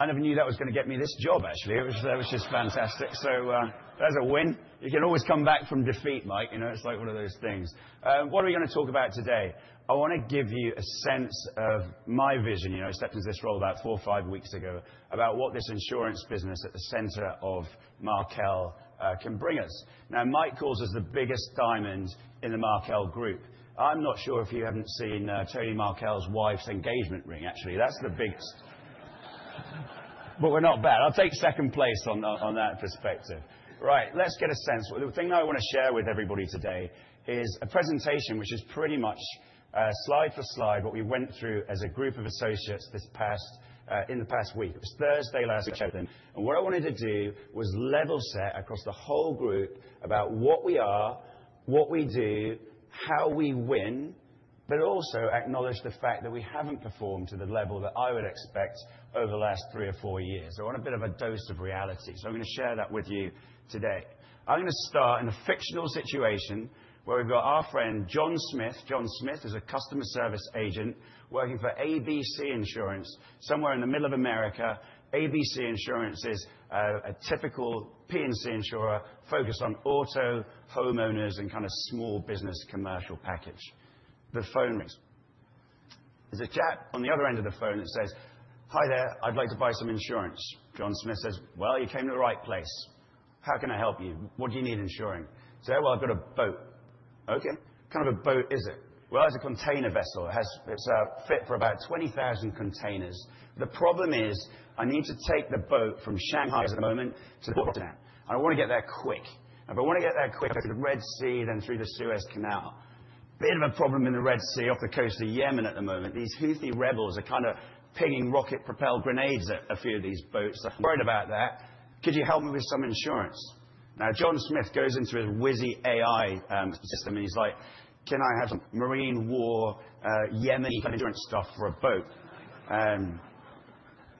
I never knew that was going to get me this job, actually. It was just fantastic. That's a win. You can always come back from defeat, Mike. You know, it's like one of those things. What are we going to talk about today? I want to give you a sense of my vision. You know, I stepped into this role about four or five weeks ago about what this insurance business at the center of Markel can bring us. Now, Mike calls us the biggest diamond in the Markel Group. I'm not sure if you haven't seen Tony Markel's wife's engagement ring, actually. That's the biggest. But we're not bad. I'll take second place on that perspective. Right. Let's get a sense. The thing I want to share with everybody today is a presentation which is pretty much slide for slide what we went through as a group of associates in the past week. It was Thursday last week. What I wanted to do was level set across the whole group about what we are, what we do, how we win, but also acknowledge the fact that we haven't performed to the level that I would expect over the last three or four years. I want a bit of a dose of reality. I'm going to share that with you today. I'm going to start in a fictional situation where we've got our friend John Smith. John Smith is a customer service agent working for ABC Insurance somewhere in the middle of America. ABC Insurance is a typical P&C insurer focused on auto, homeowners, and kind of small business commercial package. The phone rings. There's a chap on the other end of the phone that says, "Hi there. I'd like to buy some insurance." John Smith says, "You came to the right place. How can I help you? What do you need insuring?" He says, "Well, I've got a boat." "Okay. Kind of a boat is it?" "Well, it's a container vessel. It's fit for about 20,000 containers. The problem is I need to take the boat from Shanghai at the moment to Port Said. I want to get there quick. If I want to get there quick, I have to go to the Red Sea then through the Suez Canal. Bit of a problem in the Red Sea off the coast of Yemen at the moment. These Houthi rebels are kind of pinging rocket-propelled grenades at a few of these boats. I'm worried about that. Could you help me with some insurance?" Now, John Smith goes into his WhizAI system, and he's like, "Can I have some Marine War, Yemen kind of insurance stuff for a boat?"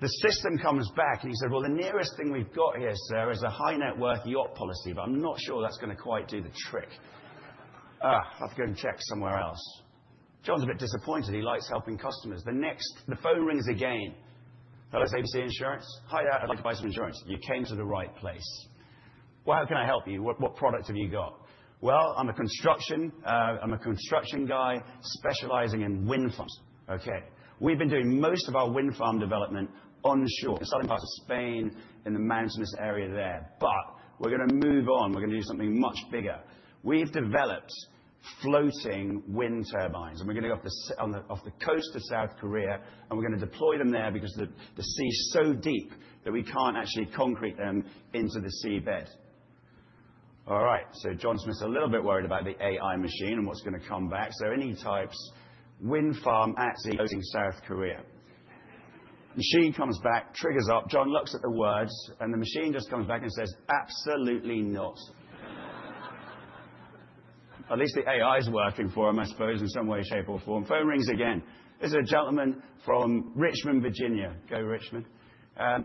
The system comes back, and he said, "The nearest thing we've got here, sir, is a high-net-worth yacht policy, but I'm not sure that's going to quite do the trick. I'll have to go and check somewhere else." John's a bit disappointed. He likes helping customers. The phone rings again. "Hello, it's ABC Insurance. Hi, I'd like to buy some insurance. You came to the right place. How can I help you? What product have you got?" "I'm a construction guy, specializing in wind farms." "Okay. We've been doing most of our wind farm development onshore, in southern parts of Spain, in the mountainous area there. We are going to move on. We're going to do something much bigger. We've developed floating wind turbines, and we're going to go off the coast of South Korea, and we're going to deploy them there because the sea is so deep that we can't actually concrete them into the seabed. All right. John Smith's a little bit worried about the AI machine and what's going to come back. Any types, wind farm at sea floating South Korea. Machine comes back, triggers up. John looks at the words, and the machine just comes back and says, "Absolutely not." At least the AI's working for him, I suppose, in some way, shape, or form. Phone rings again. This is a gentleman from Richmond, Virginia. Go, Richmond.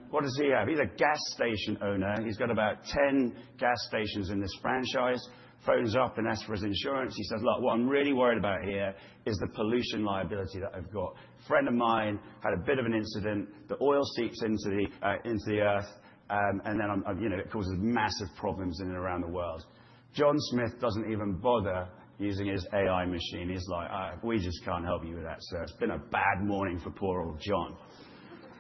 What does he have? He's a gas station owner. He's got about 10 gas stations in this franchise. Phones up and asks for his insurance. He says, "Look, what I'm really worried about here is the pollution liability that I've got. A friend of mine had a bit of an incident. The oil seeps into the earth, and then it causes massive problems in and around the world." John Smith doesn't even bother using his AI machine. He's like, "We just can't help you with that, sir. It's been a bad morning for poor old John."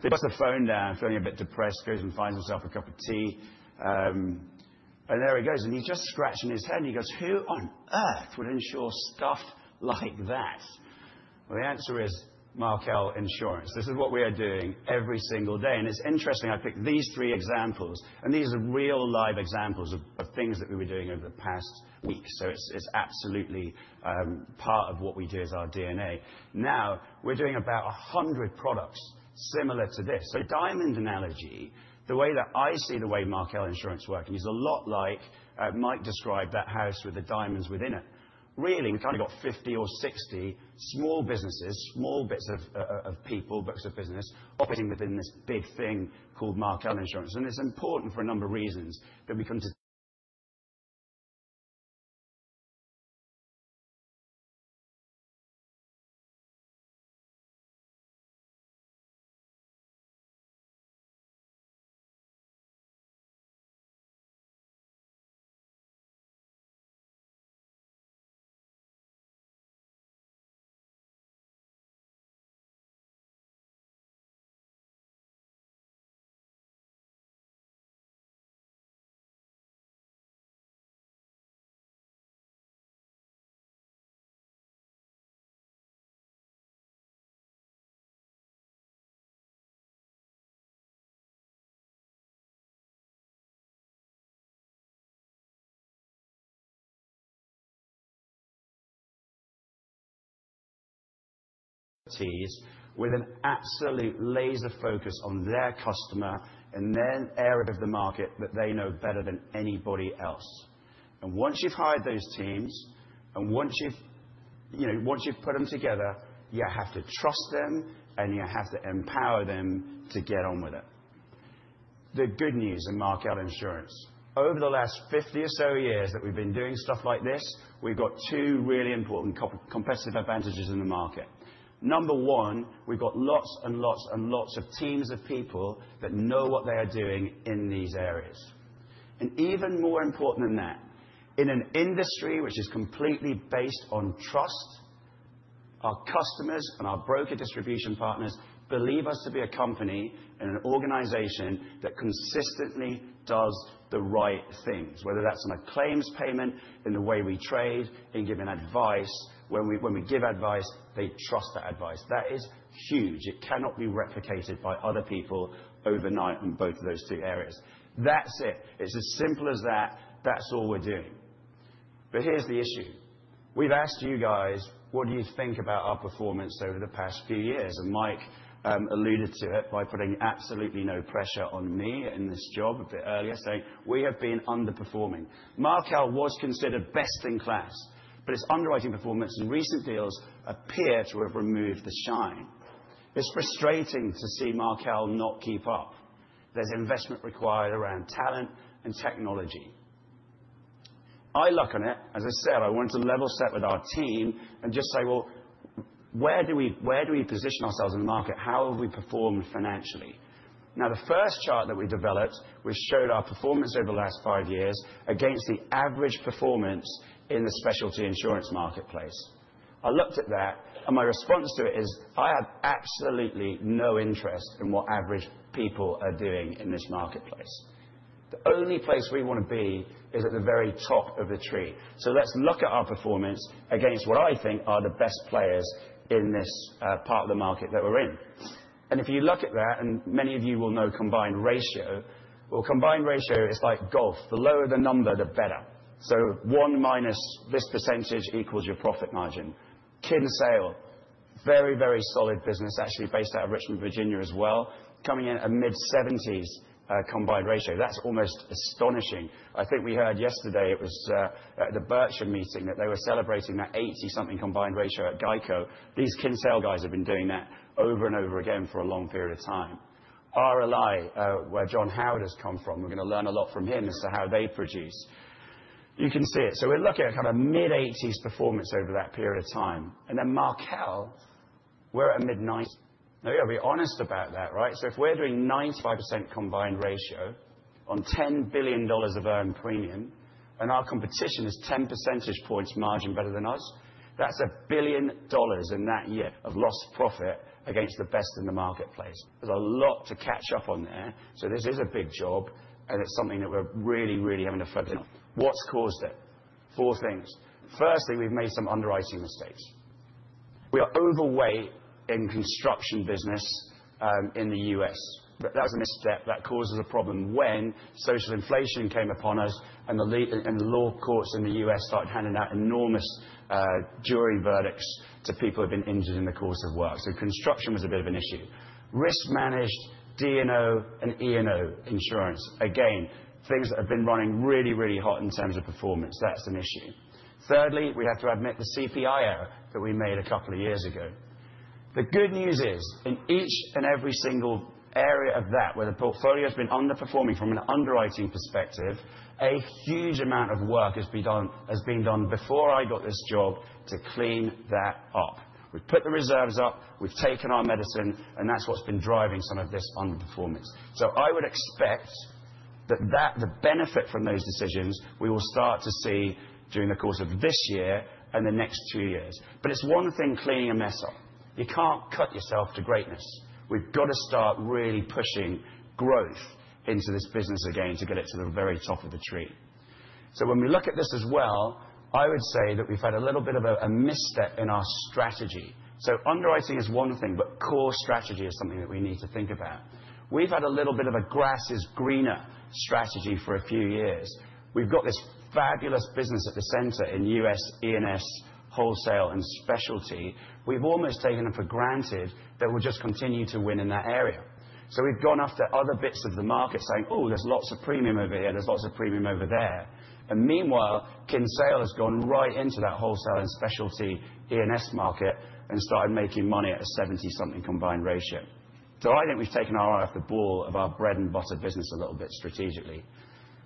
He puts the phone down, feeling a bit depressed, goes and finds himself a cup of tea. There he goes. He's just scratching his head. He goes, "Who on earth would insure stuff like that?" The answer is Markel Insurance. This is what we are doing every single day. It's interesting, I picked these three examples. These are real live examples of things that we were doing over the past week. It is absolutely part of what we do as our DNA. Now, we are doing about 100 products similar to this. The diamond analogy, the way that I see the way Markel Insurance is working, is a lot like Mike described that house with the diamonds within it. Really, we have kind of got 50 or 60 small businesses, small bits of people, bits of business, operating within this big thing called Markel Insurance. It is important for a number of reasons that we come to. Teams with an absolute laser focus on their customer and their area of the market that they know better than anybody else. Once you have hired those teams and once you have put them together, you have to trust them, and you have to empower them to get on with it. The good news in Markel Insurance, over the last 50 or so years that we've been doing stuff like this, we've got two really important competitive advantages in the market. Number one, we've got lots and lots and lots of teams of people that know what they are doing in these areas. Even more important than that, in an industry which is completely based on trust, our customers and our broker distribution partners believe us to be a company and an organization that consistently does the right things, whether that's on a claims payment, in the way we trade, in giving advice. When we give advice, they trust that advice. That is huge. It cannot be replicated by other people overnight in both of those two areas. That's it. It's as simple as that. That's all we're doing. Here's the issue. We've asked you guys, "What do you think about our performance over the past few years?" Mike alluded to it by putting absolutely no pressure on me in this job a bit earlier, saying, "We have been underperforming. Markel was considered best in class, but its underwriting performance and recent deals appear to have removed the shine." It's frustrating to see Markel not keep up. There's investment required around talent and technology. I look on it, as I said, I wanted to level set with our team and just say, "Well, where do we position ourselves in the market? How have we performed financially?" The first chart that we developed, which showed our performance over the last five years against the average performance in the specialty insurance marketplace. I looked at that, and my response to it is, "I have absolutely no interest in what average people are doing in this marketplace. The only place we want to be is at the very top of the tree. So let's look at our performance against what I think are the best players in this part of the market that we're in." If you look at that, and many of you will know combined ratio, combined ratio is like golf. The lower the number, the better. One minus this percentage equals your profit margin. Kinsale, very, very solid business, actually based out of Richmond, Virginia as well, coming in at mid-70s combined ratio. That's almost astonishing. I think we heard yesterday at the Berkshire meeting that they were celebrating that 80-something combined ratio at GEICO. These Kinsale guys have been doing that over and over again for a long period of time. RLI, where John Howard has come from, we're going to learn a lot from him as to how they produce. You can see it. We're looking at kind of mid-80s performance over that period of time. Markel, we're at a mid-90s. Now, we're honest about that, right? If we're doing 95% combined ratio on $10 billion of earned premium, and our competition is 10 percentage points margin better than us, that's a billion dollars in that year of lost profit against the best in the marketplace. There's a lot to catch up on there. This is a big job, and it's something that we're really, really having to focus on. What's caused it? Four things. Firstly, we've made some underwriting mistakes. We are overweight in construction business in the U.S. That was a misstep that caused us a problem when social inflation came upon us and the law courts in the U.S. started handing out enormous jury verdicts to people who have been injured in the course of work. Construction was a bit of an issue. Risk-managed D&O and E&O insurance, again, things that have been running really, really hot in terms of performance. That's an issue. Thirdly, we have to admit the CPI error that we made a couple of years ago. The good news is, in each and every single area of that, where the portfolio has been underperforming from an underwriting perspective, a huge amount of work has been done before I got this job to clean that up. We've put the reserves up. We've taken our medicine, and that's what's been driving some of this underperformance. I would expect that the benefit from those decisions, we will start to see during the course of this year and the next two years. It is one thing cleaning a mess up. You cannot cut yourself to greatness. We have got to start really pushing growth into this business again to get it to the very top of the tree. When we look at this as well, I would say that we have had a little bit of a misstep in our strategy. Underwriting is one thing, but core strategy is something that we need to think about. We have had a little bit of a grass is greener strategy for a few years. We have got this fabulous business at the center in U.S. E&S, wholesale, and specialty. We have almost taken them for granted that we will just continue to win in that area. We have gone after other bits of the market, saying, "Oh, there is lots of premium over here. There is lots of premium over there." Meanwhile, Kinsale has gone right into that wholesale and specialty E&S market and started making money at a 70-something combined ratio. I think we have taken our eye off the ball of our bread-and-butter business a little bit strategically.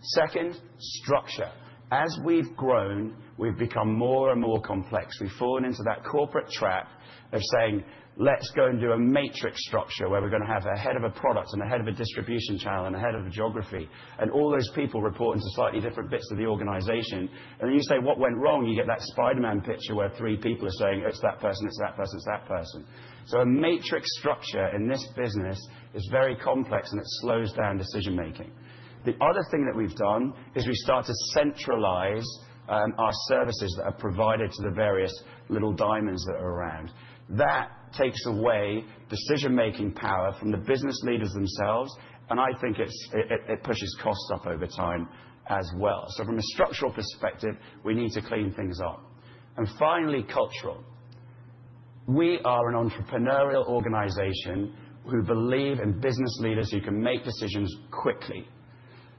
Second, structure. As we have grown, we have become more and more complex. We've fallen into that corporate trap of saying, "Let's go and do a matrix structure where we're going to have a head of a product and a head of a distribution channel and a head of geography and all those people reporting to slightly different bits of the organization." You say, "What went wrong?" You get that Spider-Man picture where three people are saying, "It's that person, it's that person, it's that person." A matrix structure in this business is very complex, and it slows down decision-making. The other thing that we've done is we've started to centralize our services that are provided to the various little diamonds that are around. That takes away decision-making power from the business leaders themselves, and I think it pushes costs up over time as well. From a structural perspective, we need to clean things up. Finally, cultural. We are an entrepreneurial organization who believe in business leaders who can make decisions quickly.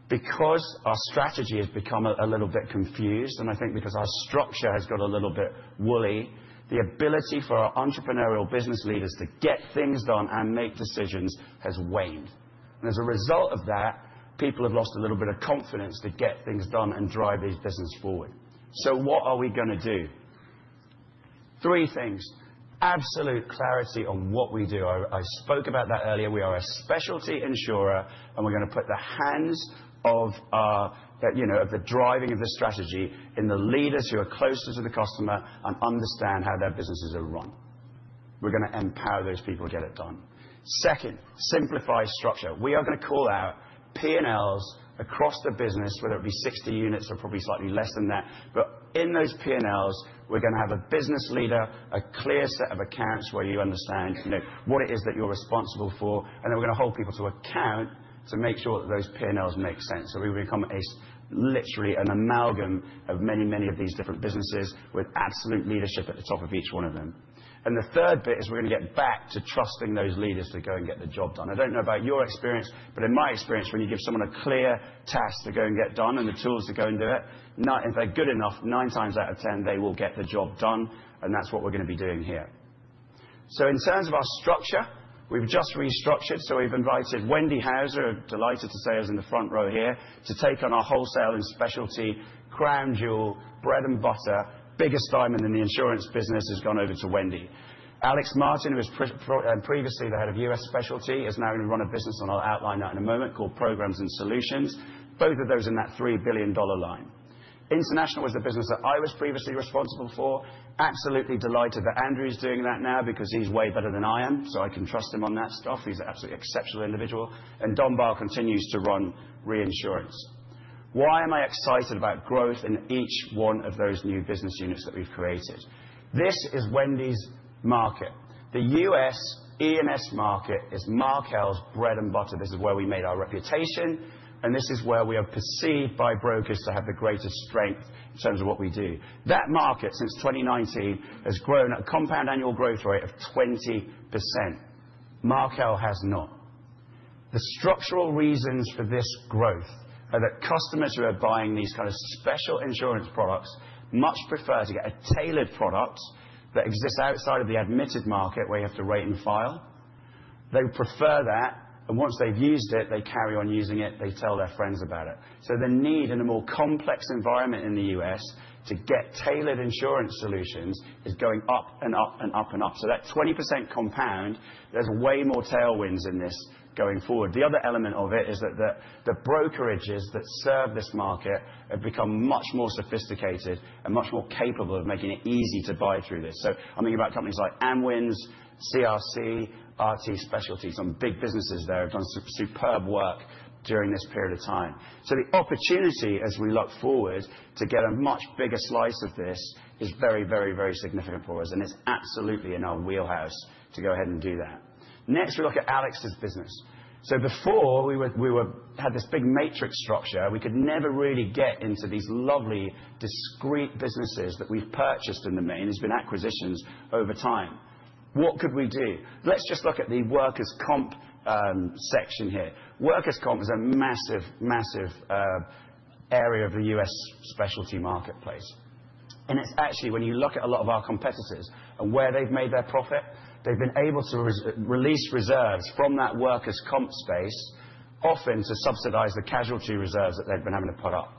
Because our strategy has become a little bit confused, and I think because our structure has got a little bit woolly, the ability for our entrepreneurial business leaders to get things done and make decisions has waned. As a result of that, people have lost a little bit of confidence to get things done and drive this business forward. What are we going to do? Three things. Absolute clarity on what we do. I spoke about that earlier. We are a specialty insurer, and we're going to put the hands of the driving of the strategy in the leaders who are closer to the customer and understand how their businesses are run. We're going to empower those people to get it done. Second, simplify structure. We are going to call out P&Ls across the business, whether it be 60 units or probably slightly less than that. In those P&Ls, we're going to have a business leader, a clear set of accounts where you understand what it is that you're responsible for, and then we're going to hold people to account to make sure that those P&Ls make sense. We will become literally an amalgam of many, many of these different businesses with absolute leadership at the top of each one of them. The third bit is we're going to get back to trusting those leaders to go and get the job done. I don't know about your experience, but in my experience, when you give someone a clear task to go and get done and the tools to go and do it, if they're good enough, nine times out of ten, they will get the job done, and that's what we're going to be doing here. In terms of our structure, we've just restructured. We've invited Wendy Houser, delighted to say, who's in the front row here, to take on our wholesale and specialty crown jewel, bread and butter, biggest diamond in the insurance business has gone over to Wendy. Alex Martin, who was previously the head of U.S. Specialty, is now going to run a business—and I'll outline that in a moment—called Programs and Solutions, both of those in that $3 billion line. International is the business that I was previously responsible for. Absolutely delighted that Andrew's doing that now because he's way better than I am, so I can trust him on that stuff. He's an absolutely exceptional individual. Don Bahr continues to run reinsurance. Why am I excited about growth in each one of those new business units that we've created? This is Wendy's market. The U.S. E&S market is Markel's bread and butter. This is where we made our reputation, and this is where we are perceived by brokers to have the greatest strength in terms of what we do. That market, since 2019, has grown at a compound annual growth rate of 20%. Markel has not. The structural reasons for this growth are that customers who are buying these kind of special insurance products much prefer to get a tailored product that exists outside of the admitted market where you have to rate and file. They prefer that, and once they've used it, they carry on using it. They tell their friends about it. The need in a more complex environment in the U.S. to get tailored insurance solutions is going up and up and up and up. That 20% compound, there's way more tailwinds in this going forward. The other element of it is that the brokerages that serve this market have become much more sophisticated and much more capable of making it easy to buy through this. I'm thinking about companies like Amwins, CRC, RT Specialty. Some big businesses there have done some superb work during this period of time. The opportunity, as we look forward, to get a much bigger slice of this is very, very, very significant for us, and it's absolutely in our wheelhouse to go ahead and do that. Next, we look at Alex's business. Before, we had this big matrix structure. We could never really get into these lovely, discreet businesses that we've purchased in the main. It's been acquisitions over time. What could we do? Let's just look at the workers' comp section here. Workers' comp is a massive, massive area of the U.S. specialty marketplace. And it's actually, when you look at a lot of our competitors and where they've made their profit, they've been able to release reserves from that workers' comp space, often to subsidize the casualty reserves that they've been having to put up,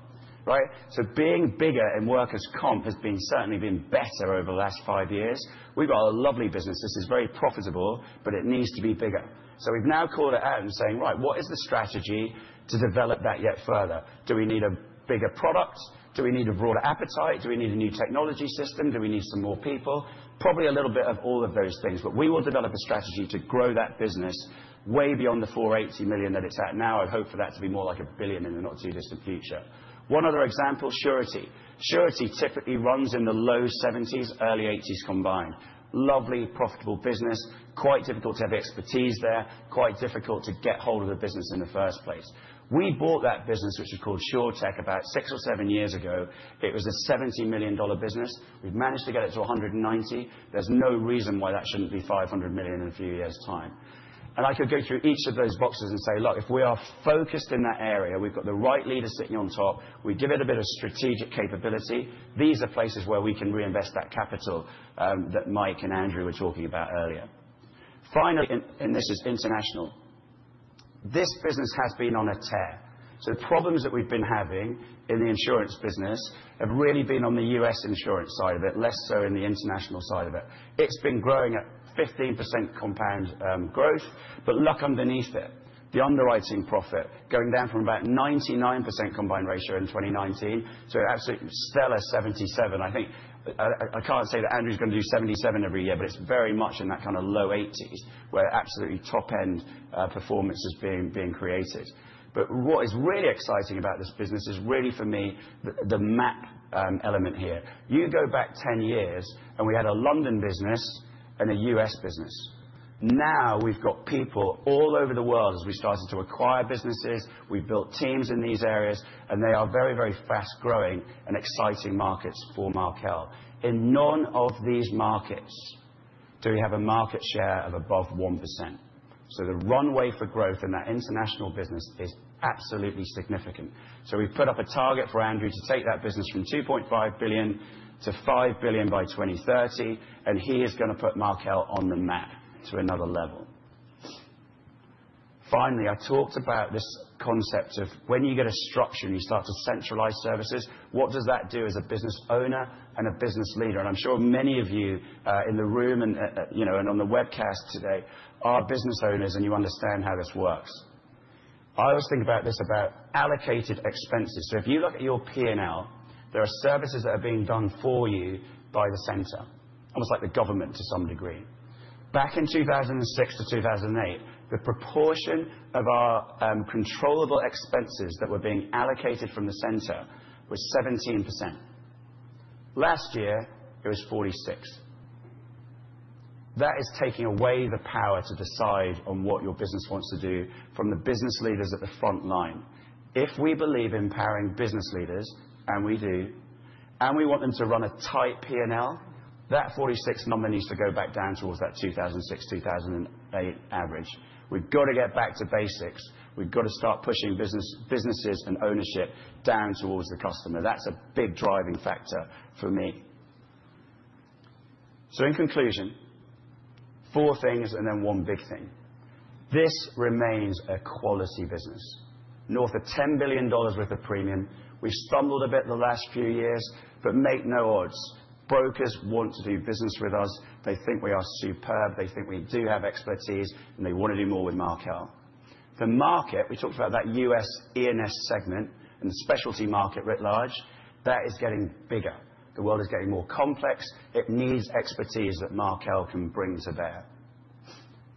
right? Being bigger in workers' comp has certainly been better over the last five years. We've got a lovely business. This is very profitable, but it needs to be bigger. We've now called it out and saying, "Right, what is the strategy to develop that yet further? Do we need a bigger product? Do we need a broader appetite? Do we need a new technology system? Do we need some more people? Probably a little bit of all of those things, but we will develop a strategy to grow that business way beyond the $480 million that it's at now. I hope for that to be more like $1 billion in the not too distant future. One other example, Surety. Surety typically runs in the low 70s, early 80s combined. Lovely, profitable business, quite difficult to have expertise there, quite difficult to get hold of the business in the first place. We bought that business, which was called SureTech, about six or seven years ago. It was a $70 million business. We've managed to get it to $190 million. There's no reason why that shouldn't be $500 million in a few years' time. I could go through each of those boxes and say, "Look, if we are focused in that area, we've got the right leader sitting on top. We give it a bit of strategic capability. These are places where we can reinvest that capital that Mike and Andrew were talking about earlier." Finally, this is international, this business has been on a tear. The problems that we've been having in the insurance business have really been on the U.S. insurance side of it, less so in the international side of it. It's been growing at 15% compound growth, but look underneath it, the underwriting profit going down from about 99% combined ratio in 2019 to absolute stellar 77. I think I can't say that Andrew's going to do 77 every year, but it's very much in that kind of low 80s where absolutely top-end performance is being created. What is really exciting about this business is really, for me, the map element here. You go back 10 years, and we had a London business and a U.S. business. Now we have people all over the world as we started to acquire businesses. We have built teams in these areas, and they are very, very fast-growing and exciting markets for Markel. In none of these markets do we have a market share of above 1%. The runway for growth in that international business is absolutely significant. We have put up a target for Andrew to take that business from $2.5 billion-$5 billion by 2030, and he is going to put Markel on the map to another level. Finally, I talked about this concept of when you get a structure and you start to centralize services, what does that do as a business owner and a business leader? I'm sure many of you in the room and on the webcast today are business owners, and you understand how this works. I always think about this about allocated expenses. If you look at your P&L, there are services that are being done for you by the center, almost like the government to some degree. Back in 2006 to 2008, the proportion of our controllable expenses that were being allocated from the center was 17%. Last year, it was 46%. That is taking away the power to decide on what your business wants to do from the business leaders at the front line. If we believe in empowering business leaders, and we do, and we want them to run a tight P&L, that 46 number needs to go back down towards that 2006, 2008 average. We've got to get back to basics. We've got to start pushing businesses and ownership down towards the customer. That's a big driving factor for me. In conclusion, four things and then one big thing. This remains a quality business. North of $10 billion worth of premium. We've stumbled a bit the last few years, but make no odds. Brokers want to do business with us. They think we are superb. They think we do have expertise, and they want to do more with Markel. The market, we talked about that U.S. E&S segment and the specialty market writ large, that is getting bigger. The world is getting more complex. It needs expertise that Markel can bring to bear.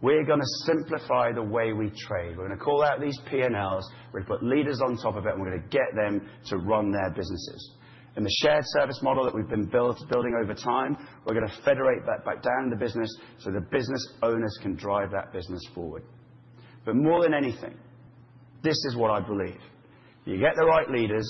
We are going to simplify the way we trade. We are going to call out these P&Ls. We are going to put leaders on top of it, and we are going to get them to run their businesses. The shared service model that we have been building over time, we are going to federate that back down in the business so the business owners can drive that business forward. More than anything, this is what I believe. You get the right leaders,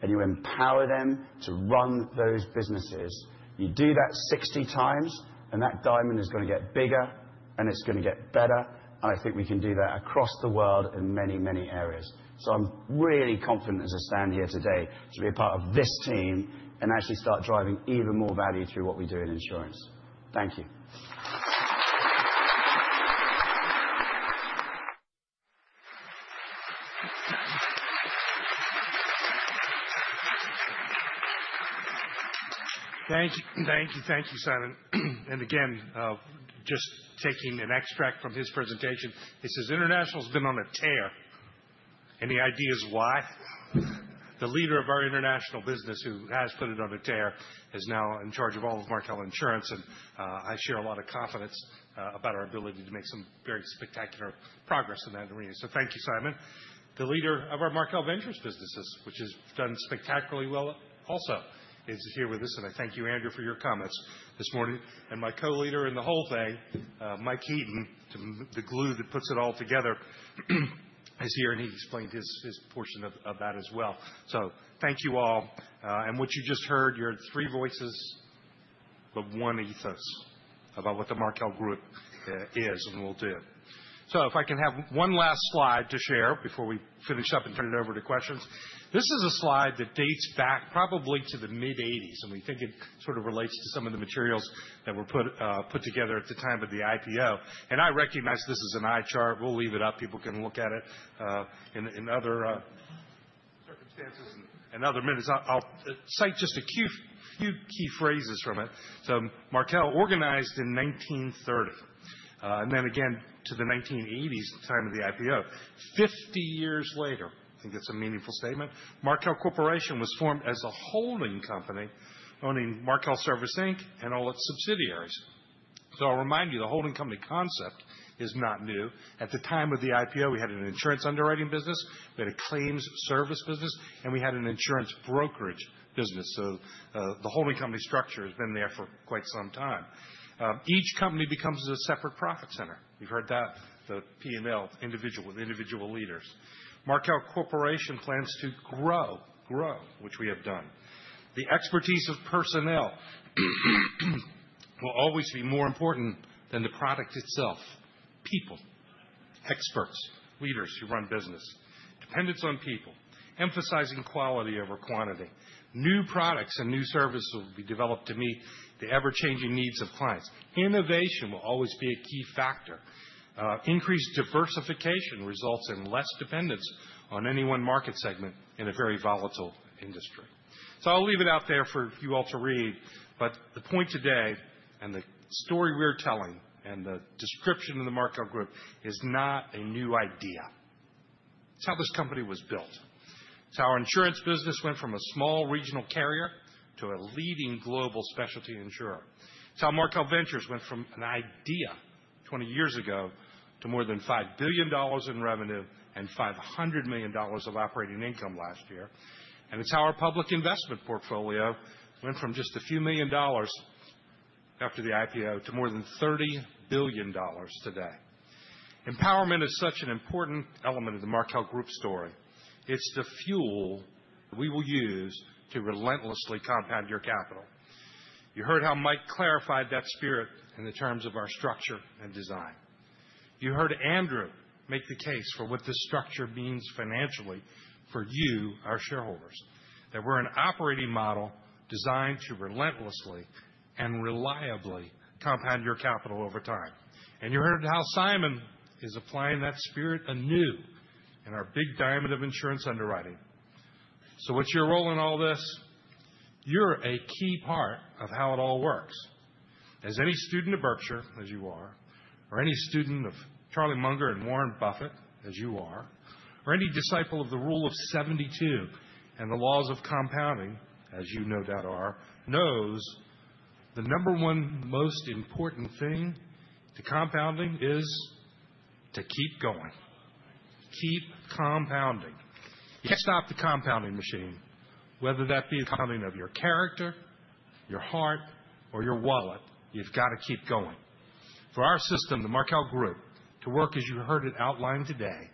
and you empower them to run those businesses. You do that 60x, and that diamond is going to get bigger, and it is going to get better. I think we can do that across the world in many, many areas. I'm really confident as I stand here today to be a part of this team and actually start driving even more value through what we do in insurance. Thank you. Thank you. Thank you, Simon. Again, just taking an extract from his presentation, he says, "International has been on a tear." He ideas why. The leader of our international business, who has put it on a tear, is now in charge of all of Markel Insurance, and I share a lot of confidence about our ability to make some very spectacular progress in that arena. Thank you, Simon. The leader of our Markel Ventures businesses, which has done spectacularly well also, is here with us, and I thank you, Andrew, for your comments this morning. My co-leader in the whole thing, Mike Heaton, the glue that puts it all together, is here, and he explained his portion of that as well. Thank you all. What you just heard, you are three voices, but one ethos about what the Markel Group is and will do. If I can have one last slide to share before we finish up and turn it over to questions. This is a slide that dates back probably to the mid-1980s, and we think it sort of relates to some of the materials that were put together at the time of the IPO. I recognize this is an eye chart. We will leave it up. People can look at it in other circumstances and other minutes. I will cite just a few key phrases from it. Markel organized in 1930, and then again to the 1980s, the time of the IPO. Fifty years later, I think that's a meaningful statement. Markel Corporation was formed as a holding company owning Markel Service and all its subsidiaries. I'll remind you, the holding company concept is not new. At the time of the IPO, we had an insurance underwriting business. We had a claims service business, and we had an insurance brokerage business. The holding company structure has been there for quite some time. Each company becomes a separate profit center. You've heard that, the P&L, individual with individual leaders. Markel Corporation plans to grow, which we have done. The expertise of personnel will always be more important than the product itself. People, experts, leaders who run business. Dependence on people. Emphasizing quality over quantity. New products and new services will be developed to meet the ever-changing needs of clients. Innovation will always be a key factor. Increased diversification results in less dependence on any one market segment in a very volatile industry. I'll leave it out there for you all to read, but the point today and the story we're telling and the description of the Markel Group is not a new idea. It's how this company was built. It's how our insurance business went from a small regional carrier to a leading global specialty insurer. It's how Markel Ventures went from an idea 20 years ago to more than $5 billion in revenue and $500 million of operating income last year. It's how our public investment portfolio went from just a few million dollars after the IPO to more than $30 billion today. Empowerment is such an important element of the Markel Group story. It's the fuel we will use to relentlessly compound your capital. You heard how Mike clarified that spirit in the terms of our structure and design. You heard Andrew make the case for what this structure means financially for you, our shareholders, that we're an operating model designed to relentlessly and reliably compound your capital over time. You heard how Simon is applying that spirit anew in our big diamond of insurance underwriting. What is your role in all this? You're a key part of how it all works. As any student of Berkshire, as you are, or any student of Charlie Munger and Warren Buffett, as you are, or any disciple of the rule of 72 and the laws of compounding, as you no doubt are, knows the number one most important thing to compounding is to keep going. Keep compounding. You can't stop the compounding machine, whether that be the compounding of your character, your heart, or your wallet. You've got to keep going. For our system, the Markel Group, to work as you heard it outlined today,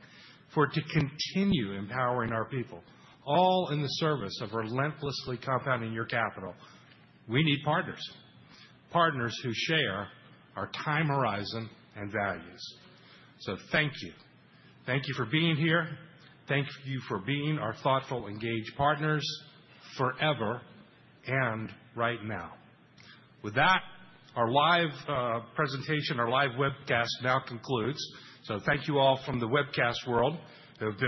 for it to continue empowering our people, all in the service of relentlessly compounding your capital, we need partners. Partners who share our time horizon and values. Thank you. Thank you for being here. Thank you for being our thoughtful, engaged partners forever and right now. With that, our live presentation, our live webcast now concludes. Thank you all from the webcast world. There have been.